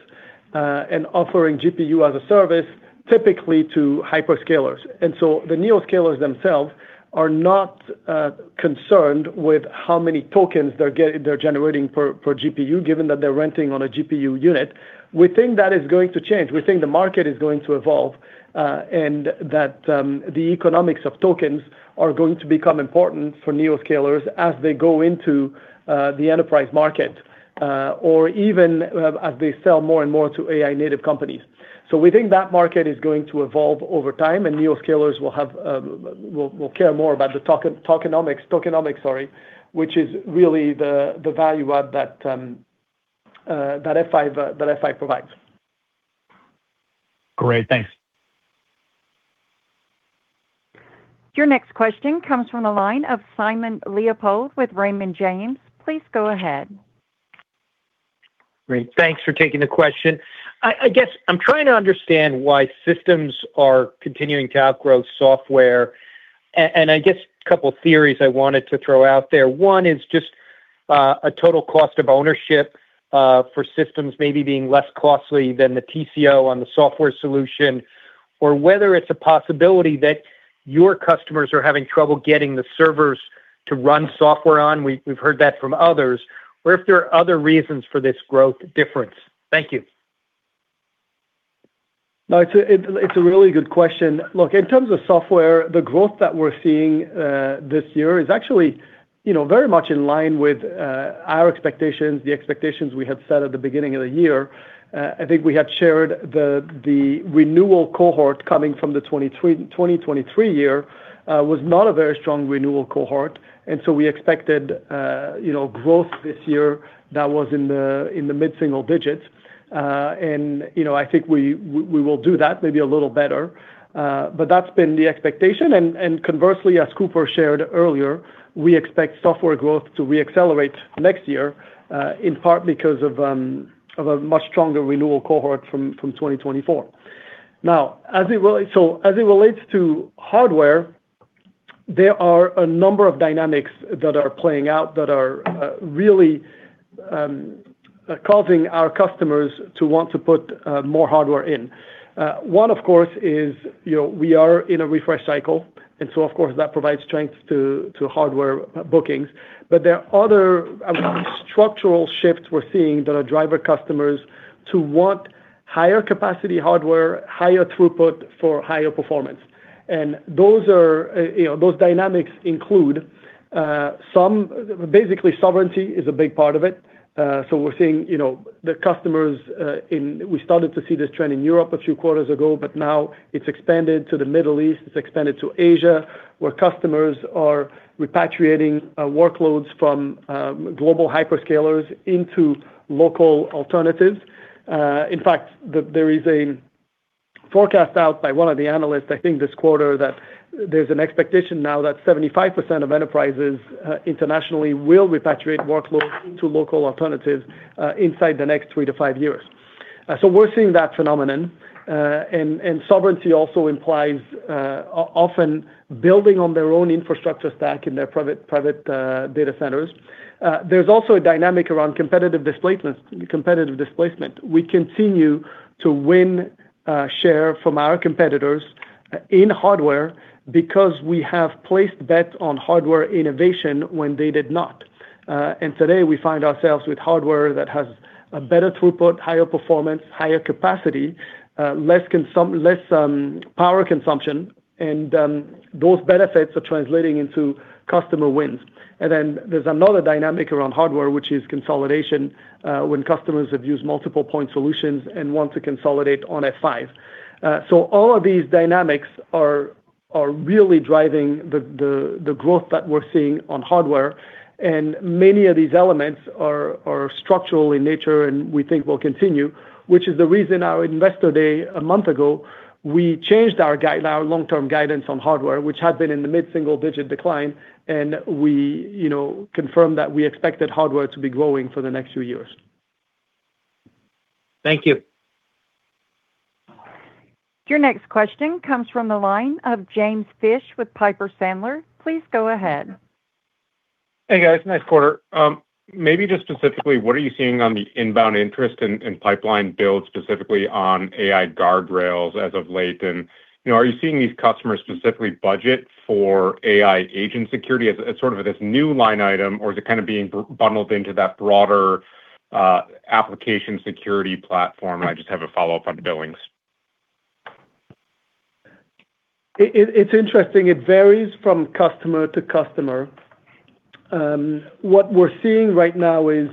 and offering GPU as a service typically to hyperscalers. The neo-scalers themselves are not concerned with how many tokens they're generating per GPU, given that they're renting on a GPU unit. We think that is going to change. We think the market is going to evolve, that the economics of tokens are going to become important for neo-scalers as they go into the enterprise market, or even as they sell more and more to AI native companies. We think that market is going to evolve over time, and neo-scalers will care more about the tokenomics, which is really the value add that F5 provides. Great. Thanks. Your next question comes from the line of Simon Leopold with Raymond James. Please go ahead. Great. Thanks for taking the question. I guess I'm trying to understand why systems are continuing to outgrow software, I guess a couple theories I wanted to throw out there. One is just a total cost of ownership for systems maybe being less costly than the TCO on the software solution, whether it's a possibility that your customers are having trouble getting the servers to run software on, we've heard that from others, If there are other reasons for this growth difference. Thank you. No, it's a really good question. Look, in terms of software, the growth that we're seeing this year is actually very much in line with our expectations, the expectations we had set at the beginning of the year. I think we had shared the renewal cohort coming from the 2023 year was not a very strong renewal cohort, We expected growth this year that was in the mid-single digits. I think we will do that, maybe a little better. That's been the expectation and conversely, as Cooper shared earlier, we expect software growth to re-accelerate next year, in part because of a much stronger renewal cohort from 2024. As it relates to hardware, there are a number of dynamics that are playing out that are really causing our customers to want to put more hardware in. One, of course, is we are in a refresh cycle, of course, that provides strength to hardware bookings. There are other structural shifts we're seeing that are driver customers to want higher capacity hardware, higher throughput for higher performance. Those dynamics include some. Basically, sovereignty is a big part of it. We're seeing the customers in. We started to see this trend in Europe a few quarters ago, but now it's expanded to the Middle East, it's expanded to Asia, where customers are repatriating workloads from global hyperscalers into local alternatives. In fact, there is a forecast out by one of the analysts, I think this quarter, that there's an expectation now that 75% of enterprises internationally will repatriate workloads into local alternatives inside the next three to five years. We're seeing that phenomenon. Sovereignty also implies often building on their own infrastructure stack in their private data centers. There's also a dynamic around competitive displacement. We continue to win share from our competitors in hardware because we have placed bets on hardware innovation when they did not. Today, we find ourselves with hardware that has a better throughput, higher performance, higher capacity, less power consumption, and those benefits are translating into customer wins. Then there's another dynamic around hardware, which is consolidation, when customers have used multiple point solutions and want to consolidate on F5. All of these dynamics are really driving the growth that we're seeing on hardware. Many of these elements are structural in nature and we think will continue, which is the reason our Investor Day a month ago, we changed our long-term guidance on hardware, which had been in the mid-single-digit decline, and we confirmed that we expected hardware to be growing for the next few years. Thank you. Your next question comes from the line of James Fish with Piper Sandler. Please go ahead. Hey, guys, nice quarter. Maybe just specifically, what are you seeing on the inbound interest and pipeline build specifically on F5 AI Guardrails as of late? Are you seeing these customers specifically budget for AI agent security as sort of this new line item, or is it kind of being bundled into that broader application security platform? I just have a follow-up on billings. It's interesting. It varies from customer to customer. What we're seeing right now is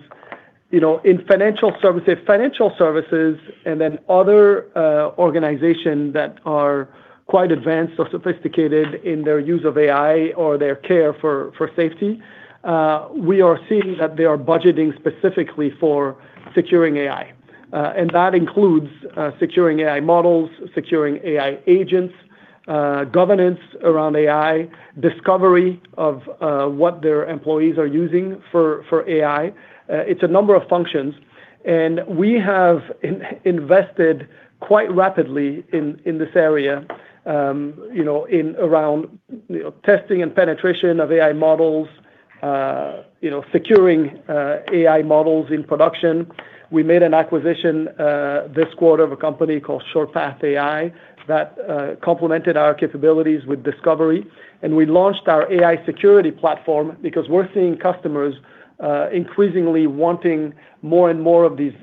in financial services and then other organizations that are quite advanced or sophisticated in their use of AI or their care for safety, we are seeing that they are budgeting specifically for securing AI. That includes securing AI models, securing AI agents, governance around AI, discovery of what their employees are using for AI. It's a number of functions, and we have invested quite rapidly in this area around testing and penetration of AI models, securing AI models in production. We made an acquisition this quarter of a company called SurePath AI that complemented our capabilities with discovery. We launched our AI security platform because we're seeing customers increasingly wanting more and more of these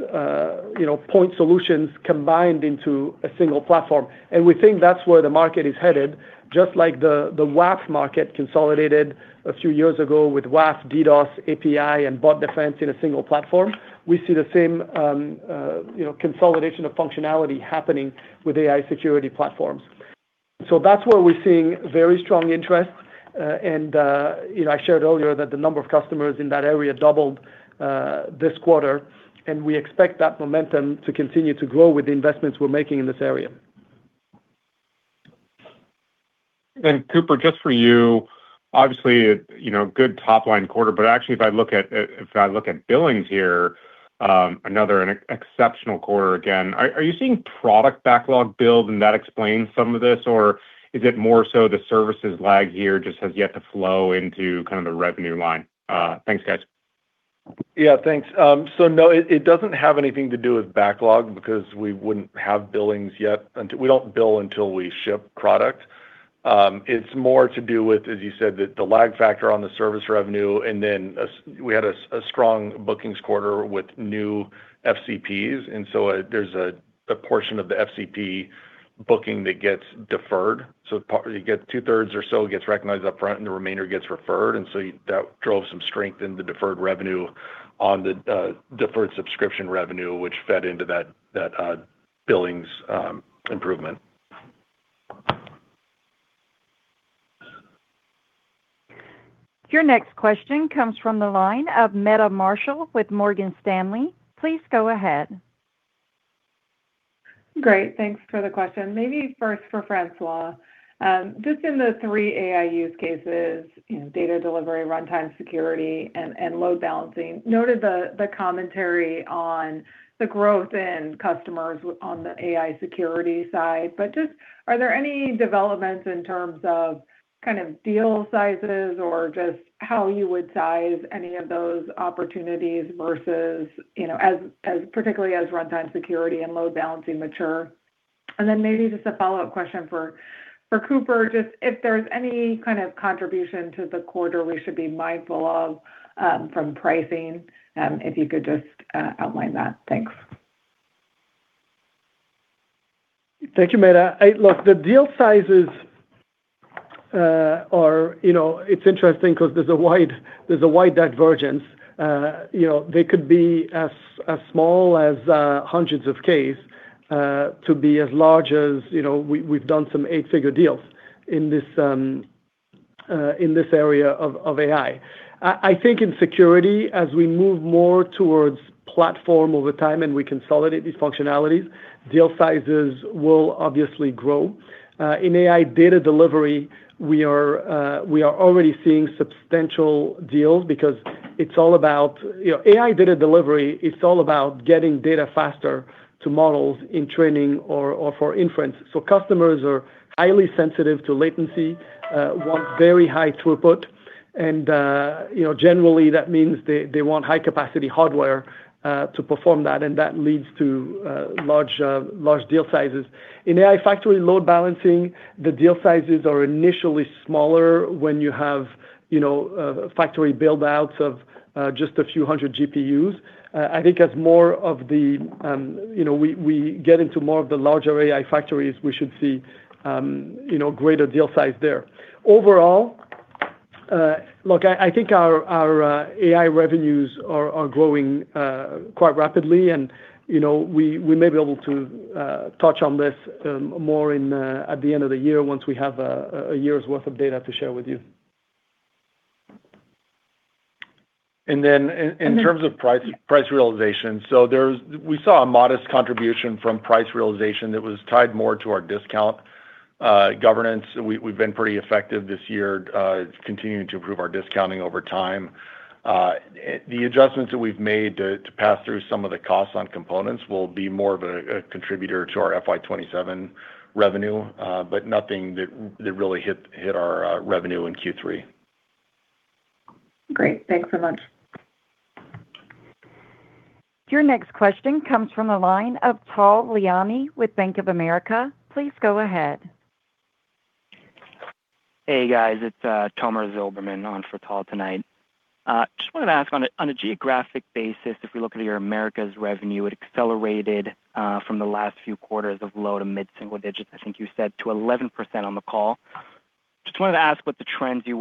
point solutions combined into a single platform. We think that's where the market is headed, just like the WAF market consolidated a few years ago with WAF, DDoS, API, and bot defense in a single platform. We see the same consolidation of functionality happening with AI security platforms. That's where we're seeing very strong interest. I shared earlier that the number of customers in that area doubled this quarter, and we expect that momentum to continue to grow with the investments we're making in this area. Cooper, just for you, obviously good top-line quarter, but actually if I look at billings here, another exceptional quarter again. Are you seeing product backlog build and that explains some of this, or is it more so the services lag here just has yet to flow into the revenue line? Thanks, guys. Yeah, thanks. No, it doesn't have anything to do with backlog because we wouldn't have billings yet. We don't bill until we ship product. It's more to do with, as you said, the lag factor on the service revenue, then we had a strong bookings quarter with new FCPs, there's a portion of the FCP booking that gets deferred. 2/3 or so gets recognized up front and the remainder gets deferred, that drove some strength in the deferred revenue on the deferred subscription revenue, which fed into that billings improvement. Your next question comes from the line of Meta Marshall with Morgan Stanley. Please go ahead. Great. Thanks for the question. Maybe first for François. Just in the three AI use cases, data delivery, runtime security, and load balancing, noted the commentary on the growth in customers on the AI security side. Just are there any developments in terms of deal sizes or just how you would size any of those opportunities versus, particularly as runtime security and load balancing mature? Then maybe just a follow-up question for Cooper, just if there's any kind of contribution to the quarter we should be mindful of from pricing, if you could just outline that. Thanks. Thank you, Meta. Look, the deal sizes, it's interesting because there's a wide divergence. They could be as small as hundreds of K's to be as large as we've done some eight-figure deals in this area of AI. I think in security, as we move more towards platform over time and we consolidate these functionalities, deal sizes will obviously grow. In AI data delivery, we are already seeing substantial deals because AI data delivery is all about getting data faster to models in training or for inference. Customers are highly sensitive to latency, want very high throughput, generally that means they want high-capacity hardware to perform that leads to large deal sizes. In AI factory load balancing, the deal sizes are initially smaller when you have factory build-outs of just a few hundred GPUs. I think as we get into more of the larger AI factories, we should see greater deal size there. Overall, look, I think our AI revenues are growing quite rapidly, and we may be able to touch on this more at the end of the year once we have a year's worth of data to share with you. In terms of price realization. We saw a modest contribution from price realization that was tied more to our discount governance. We've been pretty effective this year continuing to improve our discounting over time. The adjustments that we've made to pass through some of the costs on components will be more of a contributor to our FY 2027 revenue, but nothing that really hit our revenue in Q3. Great. Thanks so much. Your next question comes from the line of Tal Liani with Bank of America. Please go ahead. Hey guys, it is Tomer Zilberman on for Tal Liani. Just wanted to ask on a geographic basis, if we look at your Americas revenue, it accelerated from the last few quarters of low to mid-single digits, I think you said to 11% on the call. Just wanted to ask what the trends you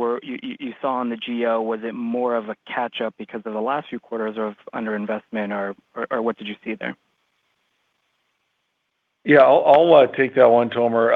saw on the geo. Was it more of a catch-up because of the last few quarters of under-investment or what did you see there? Yeah, I will take that one, Tomer.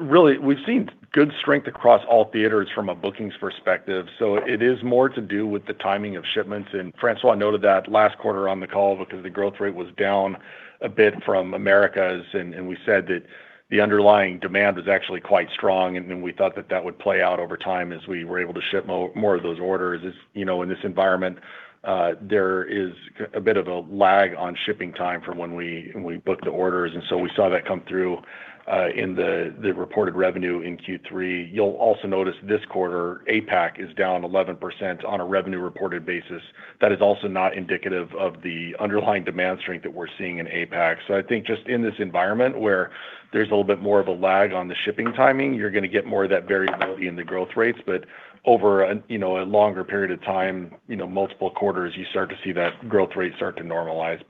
Really, we have seen good strength across all theaters from a bookings perspective. It is more to do with the timing of shipments, and François noted that last quarter on the call because the growth rate was down a bit from Americas, and we said that the underlying demand is actually quite strong. Then we thought that that would play out over time as we were able to ship more of those orders. In this environment, there is a bit of a lag on shipping time from when we book the orders. We saw that come through in the reported revenue in Q3. You will also notice this quarter, APAC is down 11% on a revenue reported basis. That is also not indicative of the underlying demand strength that we are seeing in APAC. I think just in this environment where there is a little bit more of a lag on the shipping timing, you are going to get more of that variability in the growth rates. Over a longer period of time, multiple quarters, you start to see that growth rate start to normalize.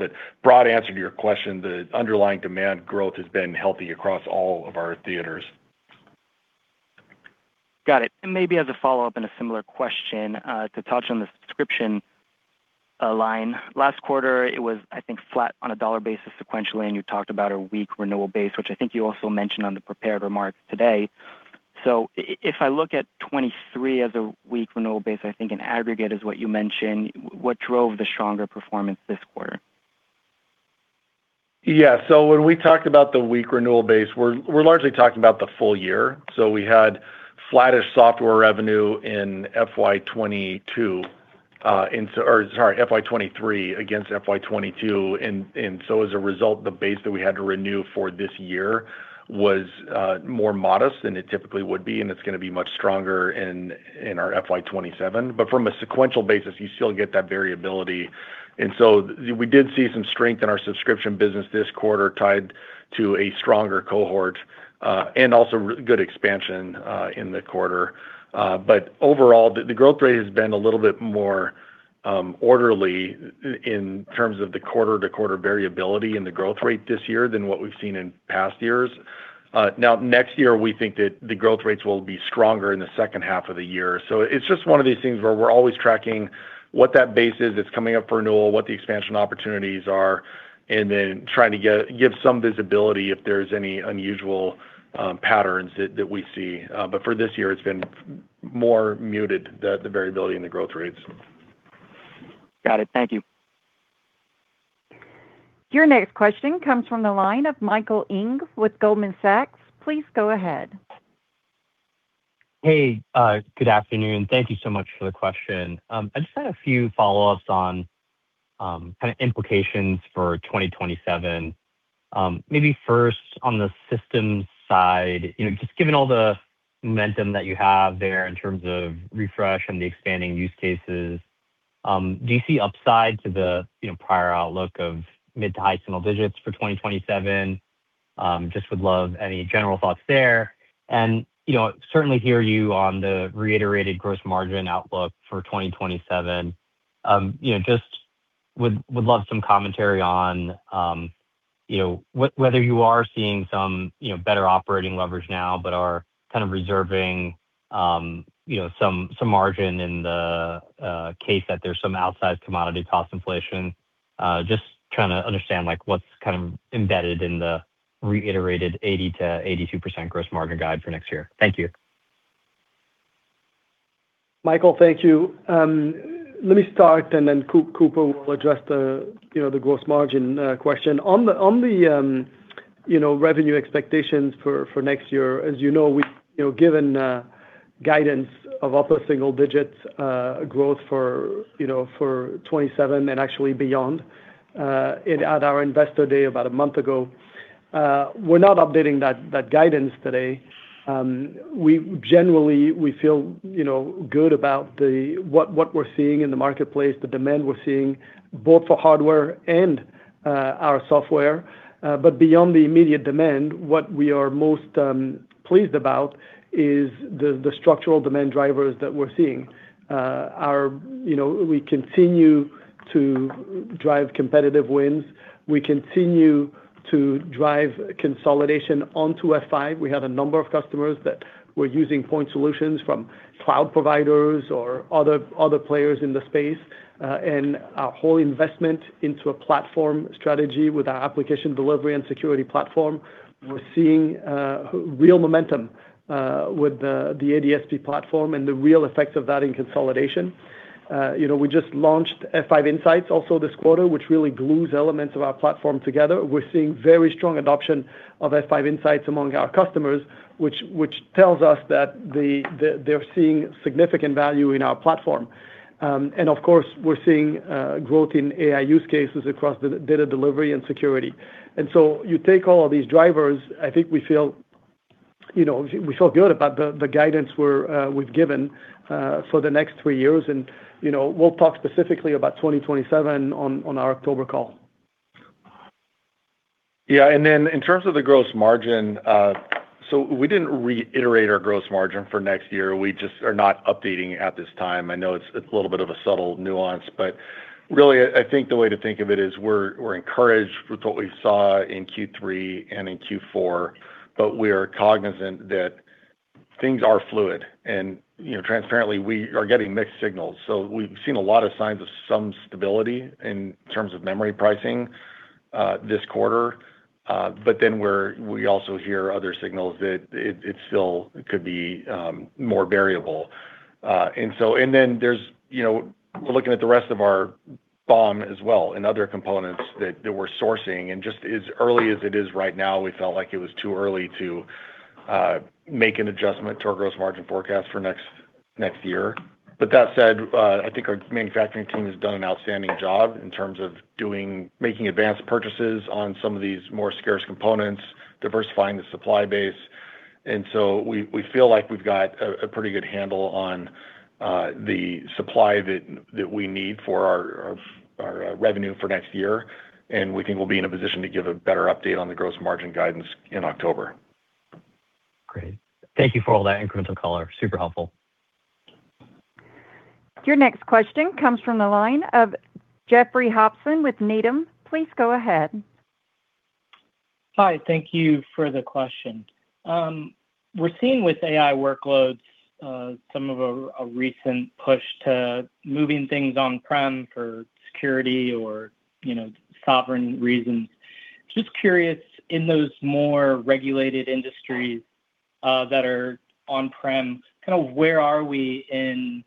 Broad answer to your question, the underlying demand growth has been healthy across all of our theaters. Got it. Maybe as a follow-up and a similar question to touch on the subscription line. Last quarter it was, I think, flat on a dollar basis sequentially, and you talked about a weak renewal base, which I think you also mentioned on the prepared remarks today. If I look at 2023 as a weak renewal base, I think an aggregate is what you mentioned. What drove the stronger performance this quarter? When we talked about the weak renewal base, we're largely talking about the full year. We had flattish software revenue in FY 2023 against FY 2022. As a result, the base that we had to renew for this year was more modest than it typically would be, and it's going to be much stronger in our FY 2027. From a sequential basis, you still get that variability. We did see some strength in our subscription business this quarter tied to a stronger cohort, and also good expansion in the quarter. Overall, the growth rate has been a little bit more orderly in terms of the quarter-to-quarter variability in the growth rate this year than what we've seen in past years. Next year, we think that the growth rates will be stronger in the second half of the year. It's just one of these things where we're always tracking what that base is that's coming up for renewal, what the expansion opportunities are, and then trying to give some visibility if there's any unusual patterns that we see. For this year, it's been more muted, the variability in the growth rates. Got it. Thank you. Your next question comes from the line of Michael Ng with Goldman Sachs. Please go ahead. Hey, good afternoon. Thank you so much for the question. I just had a few follow-ups on kind of implications for 2027. Maybe first on the systems side, just given all the momentum that you have there in terms of refresh and the expanding use cases, do you see upside to the prior outlook of mid to high single digits for 2027? Just would love any general thoughts there. Certainly hear you on the reiterated gross margin outlook for 2027. Just would love some commentary on whether you are seeing some better operating leverage now, but are kind of reserving some margin in the case that there's some outsized commodity cost inflation. Just trying to understand what's kind of embedded in the reiterated 80%-82% gross margin guide for next year. Thank you. Michael, thank you. Let me start and then Cooper will address the gross margin question. On the revenue expectations for next year, as you know, we've given guidance of upper single digits growth for 2027 and actually beyond at our Investor Day about a month ago. We're not updating that guidance today. Generally, we feel good about what we're seeing in the marketplace, the demand we're seeing both for hardware and our software. Beyond the immediate demand, what we are most pleased about is the structural demand drivers that we're seeing. We continue to drive competitive wins. We continue to drive consolidation onto F5. We have a number of customers that were using point solutions from cloud providers or other players in the space. Our whole investment into a platform strategy with our F5 Application Delivery and Security Platform, we're seeing real momentum with the ADSP platform and the real effects of that in consolidation. We just launched F5 Insight also this quarter, which really glues elements of our platform together. We're seeing very strong adoption of F5 Insight among our customers, which tells us that they're seeing significant value in our platform. Of course, we're seeing growth in AI use cases across data delivery and security. You take all of these drivers, I think we feel good about the guidance we've given for the next three years. We'll talk specifically about 2027 on our October call. In terms of the gross margin, we didn't reiterate our gross margin for next year. We just are not updating at this time. I know it's a little bit of a subtle nuance, but really, I think the way to think of it is we're encouraged with what we saw in Q3 and in Q4, but we're cognizant that things are fluid and transparently, we are getting mixed signals. We've seen a lot of signs of some stability in terms of memory pricing this quarter. We also hear other signals that it still could be more variable. We're looking at the rest of our BOM as well and other components that we're sourcing, and just as early as it is right now, we felt like it was too early to make an adjustment to our gross margin forecast for next year. That said, I think our manufacturing team has done an outstanding job in terms of making advanced purchases on some of these more scarce components, diversifying the supply base, we feel like we've got a pretty good handle on the supply that we need for our revenue for next year. We think we'll be in a position to give a better update on the gross margin guidance in October. Great. Thank you for all that incremental color. Super helpful. Your next question comes from the line of Jeffrey Hopson with Needham. Please go ahead. Hi, thank you for the question. We're seeing with AI workloads, some of a recent push to moving things on-prem for security or sovereign reasons. Just curious, in those more regulated industries that are on-prem, where are we in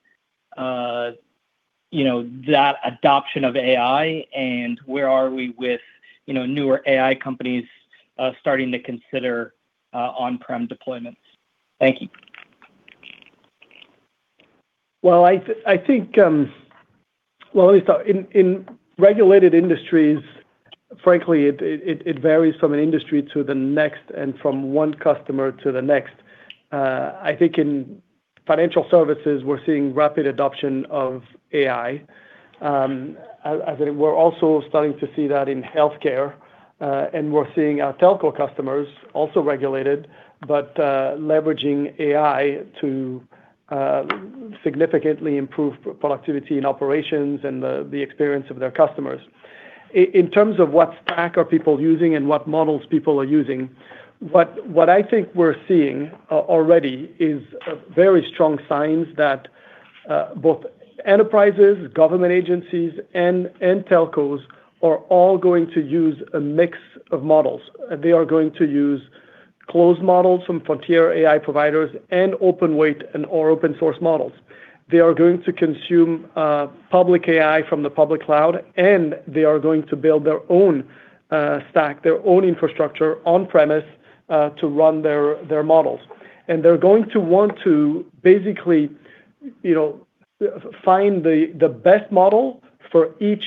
that adoption of AI and where are we with newer AI companies starting to consider on-prem deployments? Thank you. Well, let me start. In regulated industries, frankly, it varies from an industry to the next and from one customer to the next. I think in financial services, we're seeing rapid adoption of AI. I think we're also starting to see that in healthcare, and we're seeing our telco customers also regulated, but leveraging AI to significantly improve productivity and operations and the experience of their customers. In terms of what stack are people using and what models people are using, what I think we're seeing already is very strong signs that both enterprises, government agencies, and telcos are all going to use a mix of models. They are going to use closed models from frontier AI providers and open weight and/or open source models. They are going to consume public AI from the public cloud, and they are going to build their own stack, their own infrastructure on-premise to run their models. They're going to want to basically find the best model for each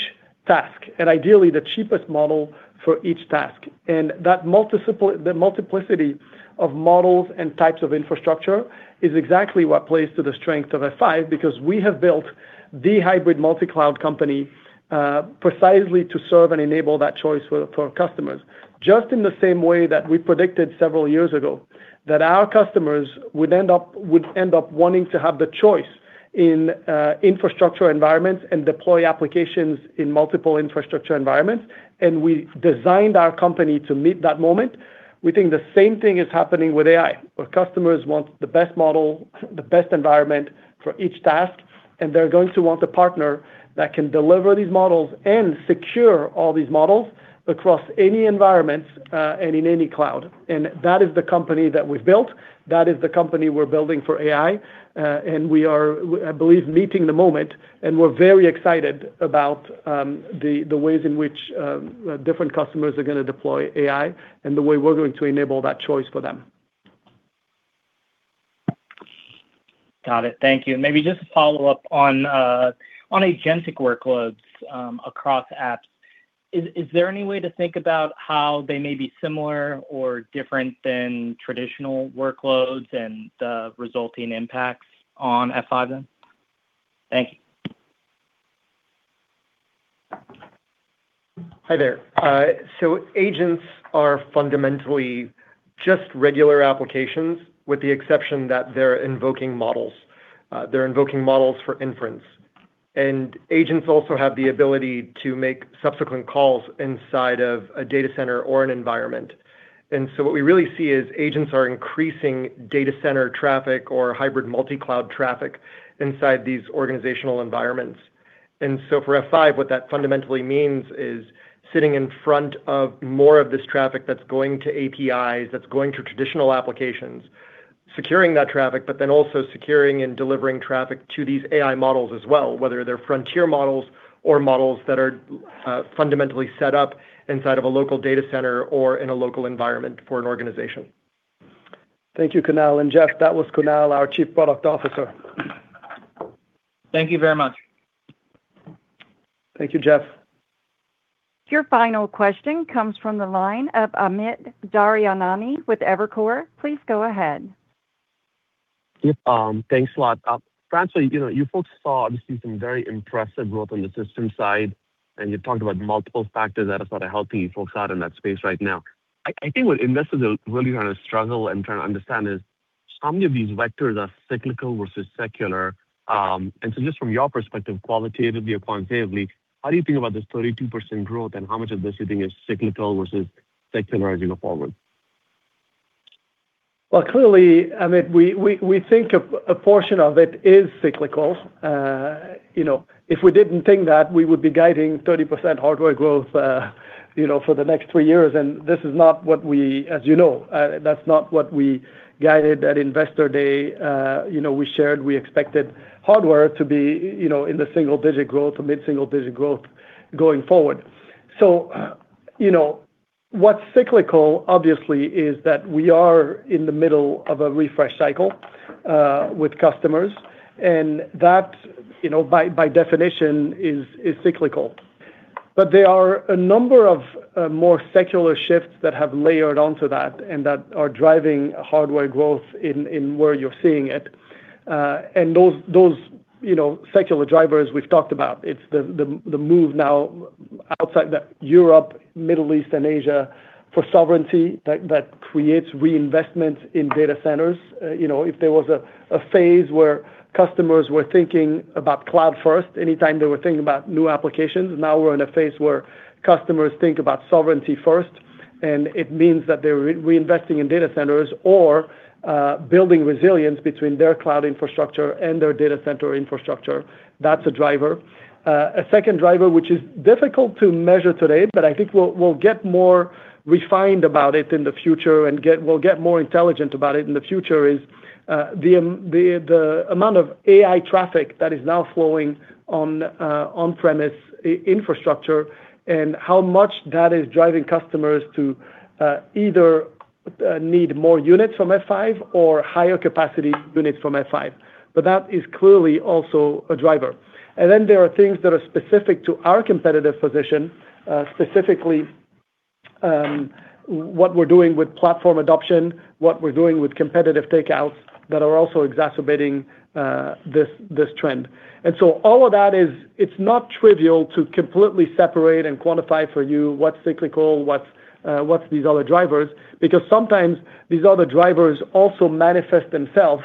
task, and ideally the cheapest model for each task. That multiplicity of models and types of infrastructure is exactly what plays to the strength of F5, because we have built the hybrid multi-cloud company precisely to serve and enable that choice for customers. Just in the same way that we predicted several years ago that our customers would end up wanting to have the choice in infrastructure environments and deploy applications in multiple infrastructure environments, and we designed our company to meet that moment. We think the same thing is happening with AI, where customers want the best model, the best environment for each task, and they're going to want a partner that can deliver these models and secure all these models across any environment, and in any cloud. That is the company that we've built. That is the company we're building for AI, and we are, I believe, meeting the moment, and we're very excited about the ways in which different customers are going to deploy AI and the way we're going to enable that choice for them. Got it. Thank you. Maybe just a follow-up on agentic workloads across apps. Is there any way to think about how they may be similar or different than traditional workloads and the resulting impacts on F5, then? Thank you. Hi there. Agents are fundamentally just regular applications with the exception that they're invoking models. They're invoking models for inference. Agents also have the ability to make subsequent calls inside of a data center or an environment. What we really see is agents are increasing data center traffic or hybrid multi-cloud traffic inside these organizational environments. For F5, what that fundamentally means is sitting in front of more of this traffic that's going to APIs, that's going to traditional applications, securing that traffic, but then also securing and delivering traffic to these AI models as well, whether they're frontier models or models that are fundamentally set up inside of a local data center or in a local environment for an organization. Thank you, Kunal. Jeff, that was Kunal, our Chief Product Officer. Thank you very much. Thank you, Jeff. Your final question comes from the line of Amit Daryanani with Evercore. Please go ahead. Yep. Thanks a lot. François, you folks saw, obviously, some very impressive growth on the system side, and you talked about multiple factors that are sort of helping you folks out in that space right now. I think what investors are really trying to struggle and trying to understand is how many of these vectors are cyclical versus secular. Just from your perspective, qualitatively or quantitatively, how do you think about this 32% growth and how much of this you think is cyclical versus secular as you go forward? Well, clearly, Amit, we think a portion of it is cyclical. If we didn't think that, we would be guiding 30% hardware growth for the next three years, and as you know, that's not what we guided at Investor Day. We shared we expected hardware to be in the mid-single-digit growth going forward. What's cyclical, obviously, is that we are in the middle of a refresh cycle with customers, and that, by definition, is cyclical. There are a number of more secular shifts that have layered onto that, and that are driving hardware growth in where you're seeing it. Those secular drivers we've talked about. It's the move now outside Europe, Middle East, and Asia for sovereignty that creates reinvestment in data centers. If there was a phase where customers were thinking about cloud first anytime they were thinking about new applications, now we're in a phase where customers think about sovereignty first. It means that they're reinvesting in data centers or building resilience between their cloud infrastructure and their data center infrastructure. That's a driver. A second driver, which is difficult to measure today, but I think we'll get more refined about it in the future and we'll get more intelligent about it in the future, is the amount of AI traffic that is now flowing on premise infrastructure and how much that is driving customers to either need more units from F5 or higher capacity units from F5. That is clearly also a driver. There are things that are specific to our competitive position, specifically what we're doing with platform adoption, what we're doing with competitive takeouts that are also exacerbating this trend. All of that is not trivial to completely separate and quantify for you what's cyclical, what's these other drivers, because sometimes these other drivers also manifest themselves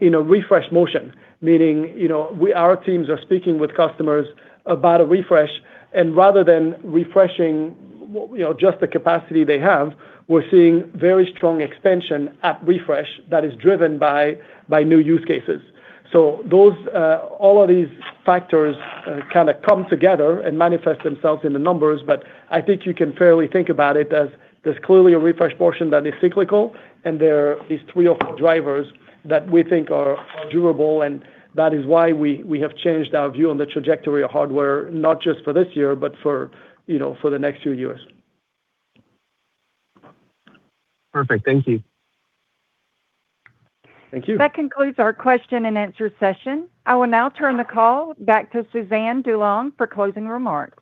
in a refresh motion. Meaning, our teams are speaking with customers about a refresh, and rather than refreshing just the capacity they have, we're seeing very strong expansion at refresh that is driven by new use cases. All of these factors kind of come together and manifest themselves in the numbers, but I think you can fairly think about it as there's clearly a refresh portion that is cyclical, and there are these three or four drivers that we think are durable, and that is why we have changed our view on the trajectory of hardware, not just for this year, but for the next few years. Perfect. Thank you. Thank you. That concludes our question and answer session. I will now turn the call back to Suzanne DuLong for closing remarks.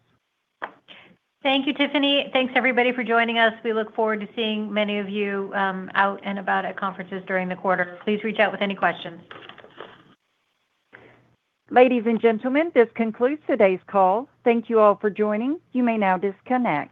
Thank you, Tiffany. Thanks everybody for joining us. We look forward to seeing many of you out and about at conferences during the quarter. Please reach out with any questions. Ladies and gentlemen, this concludes today's call. Thank you all for joining. You may now disconnect.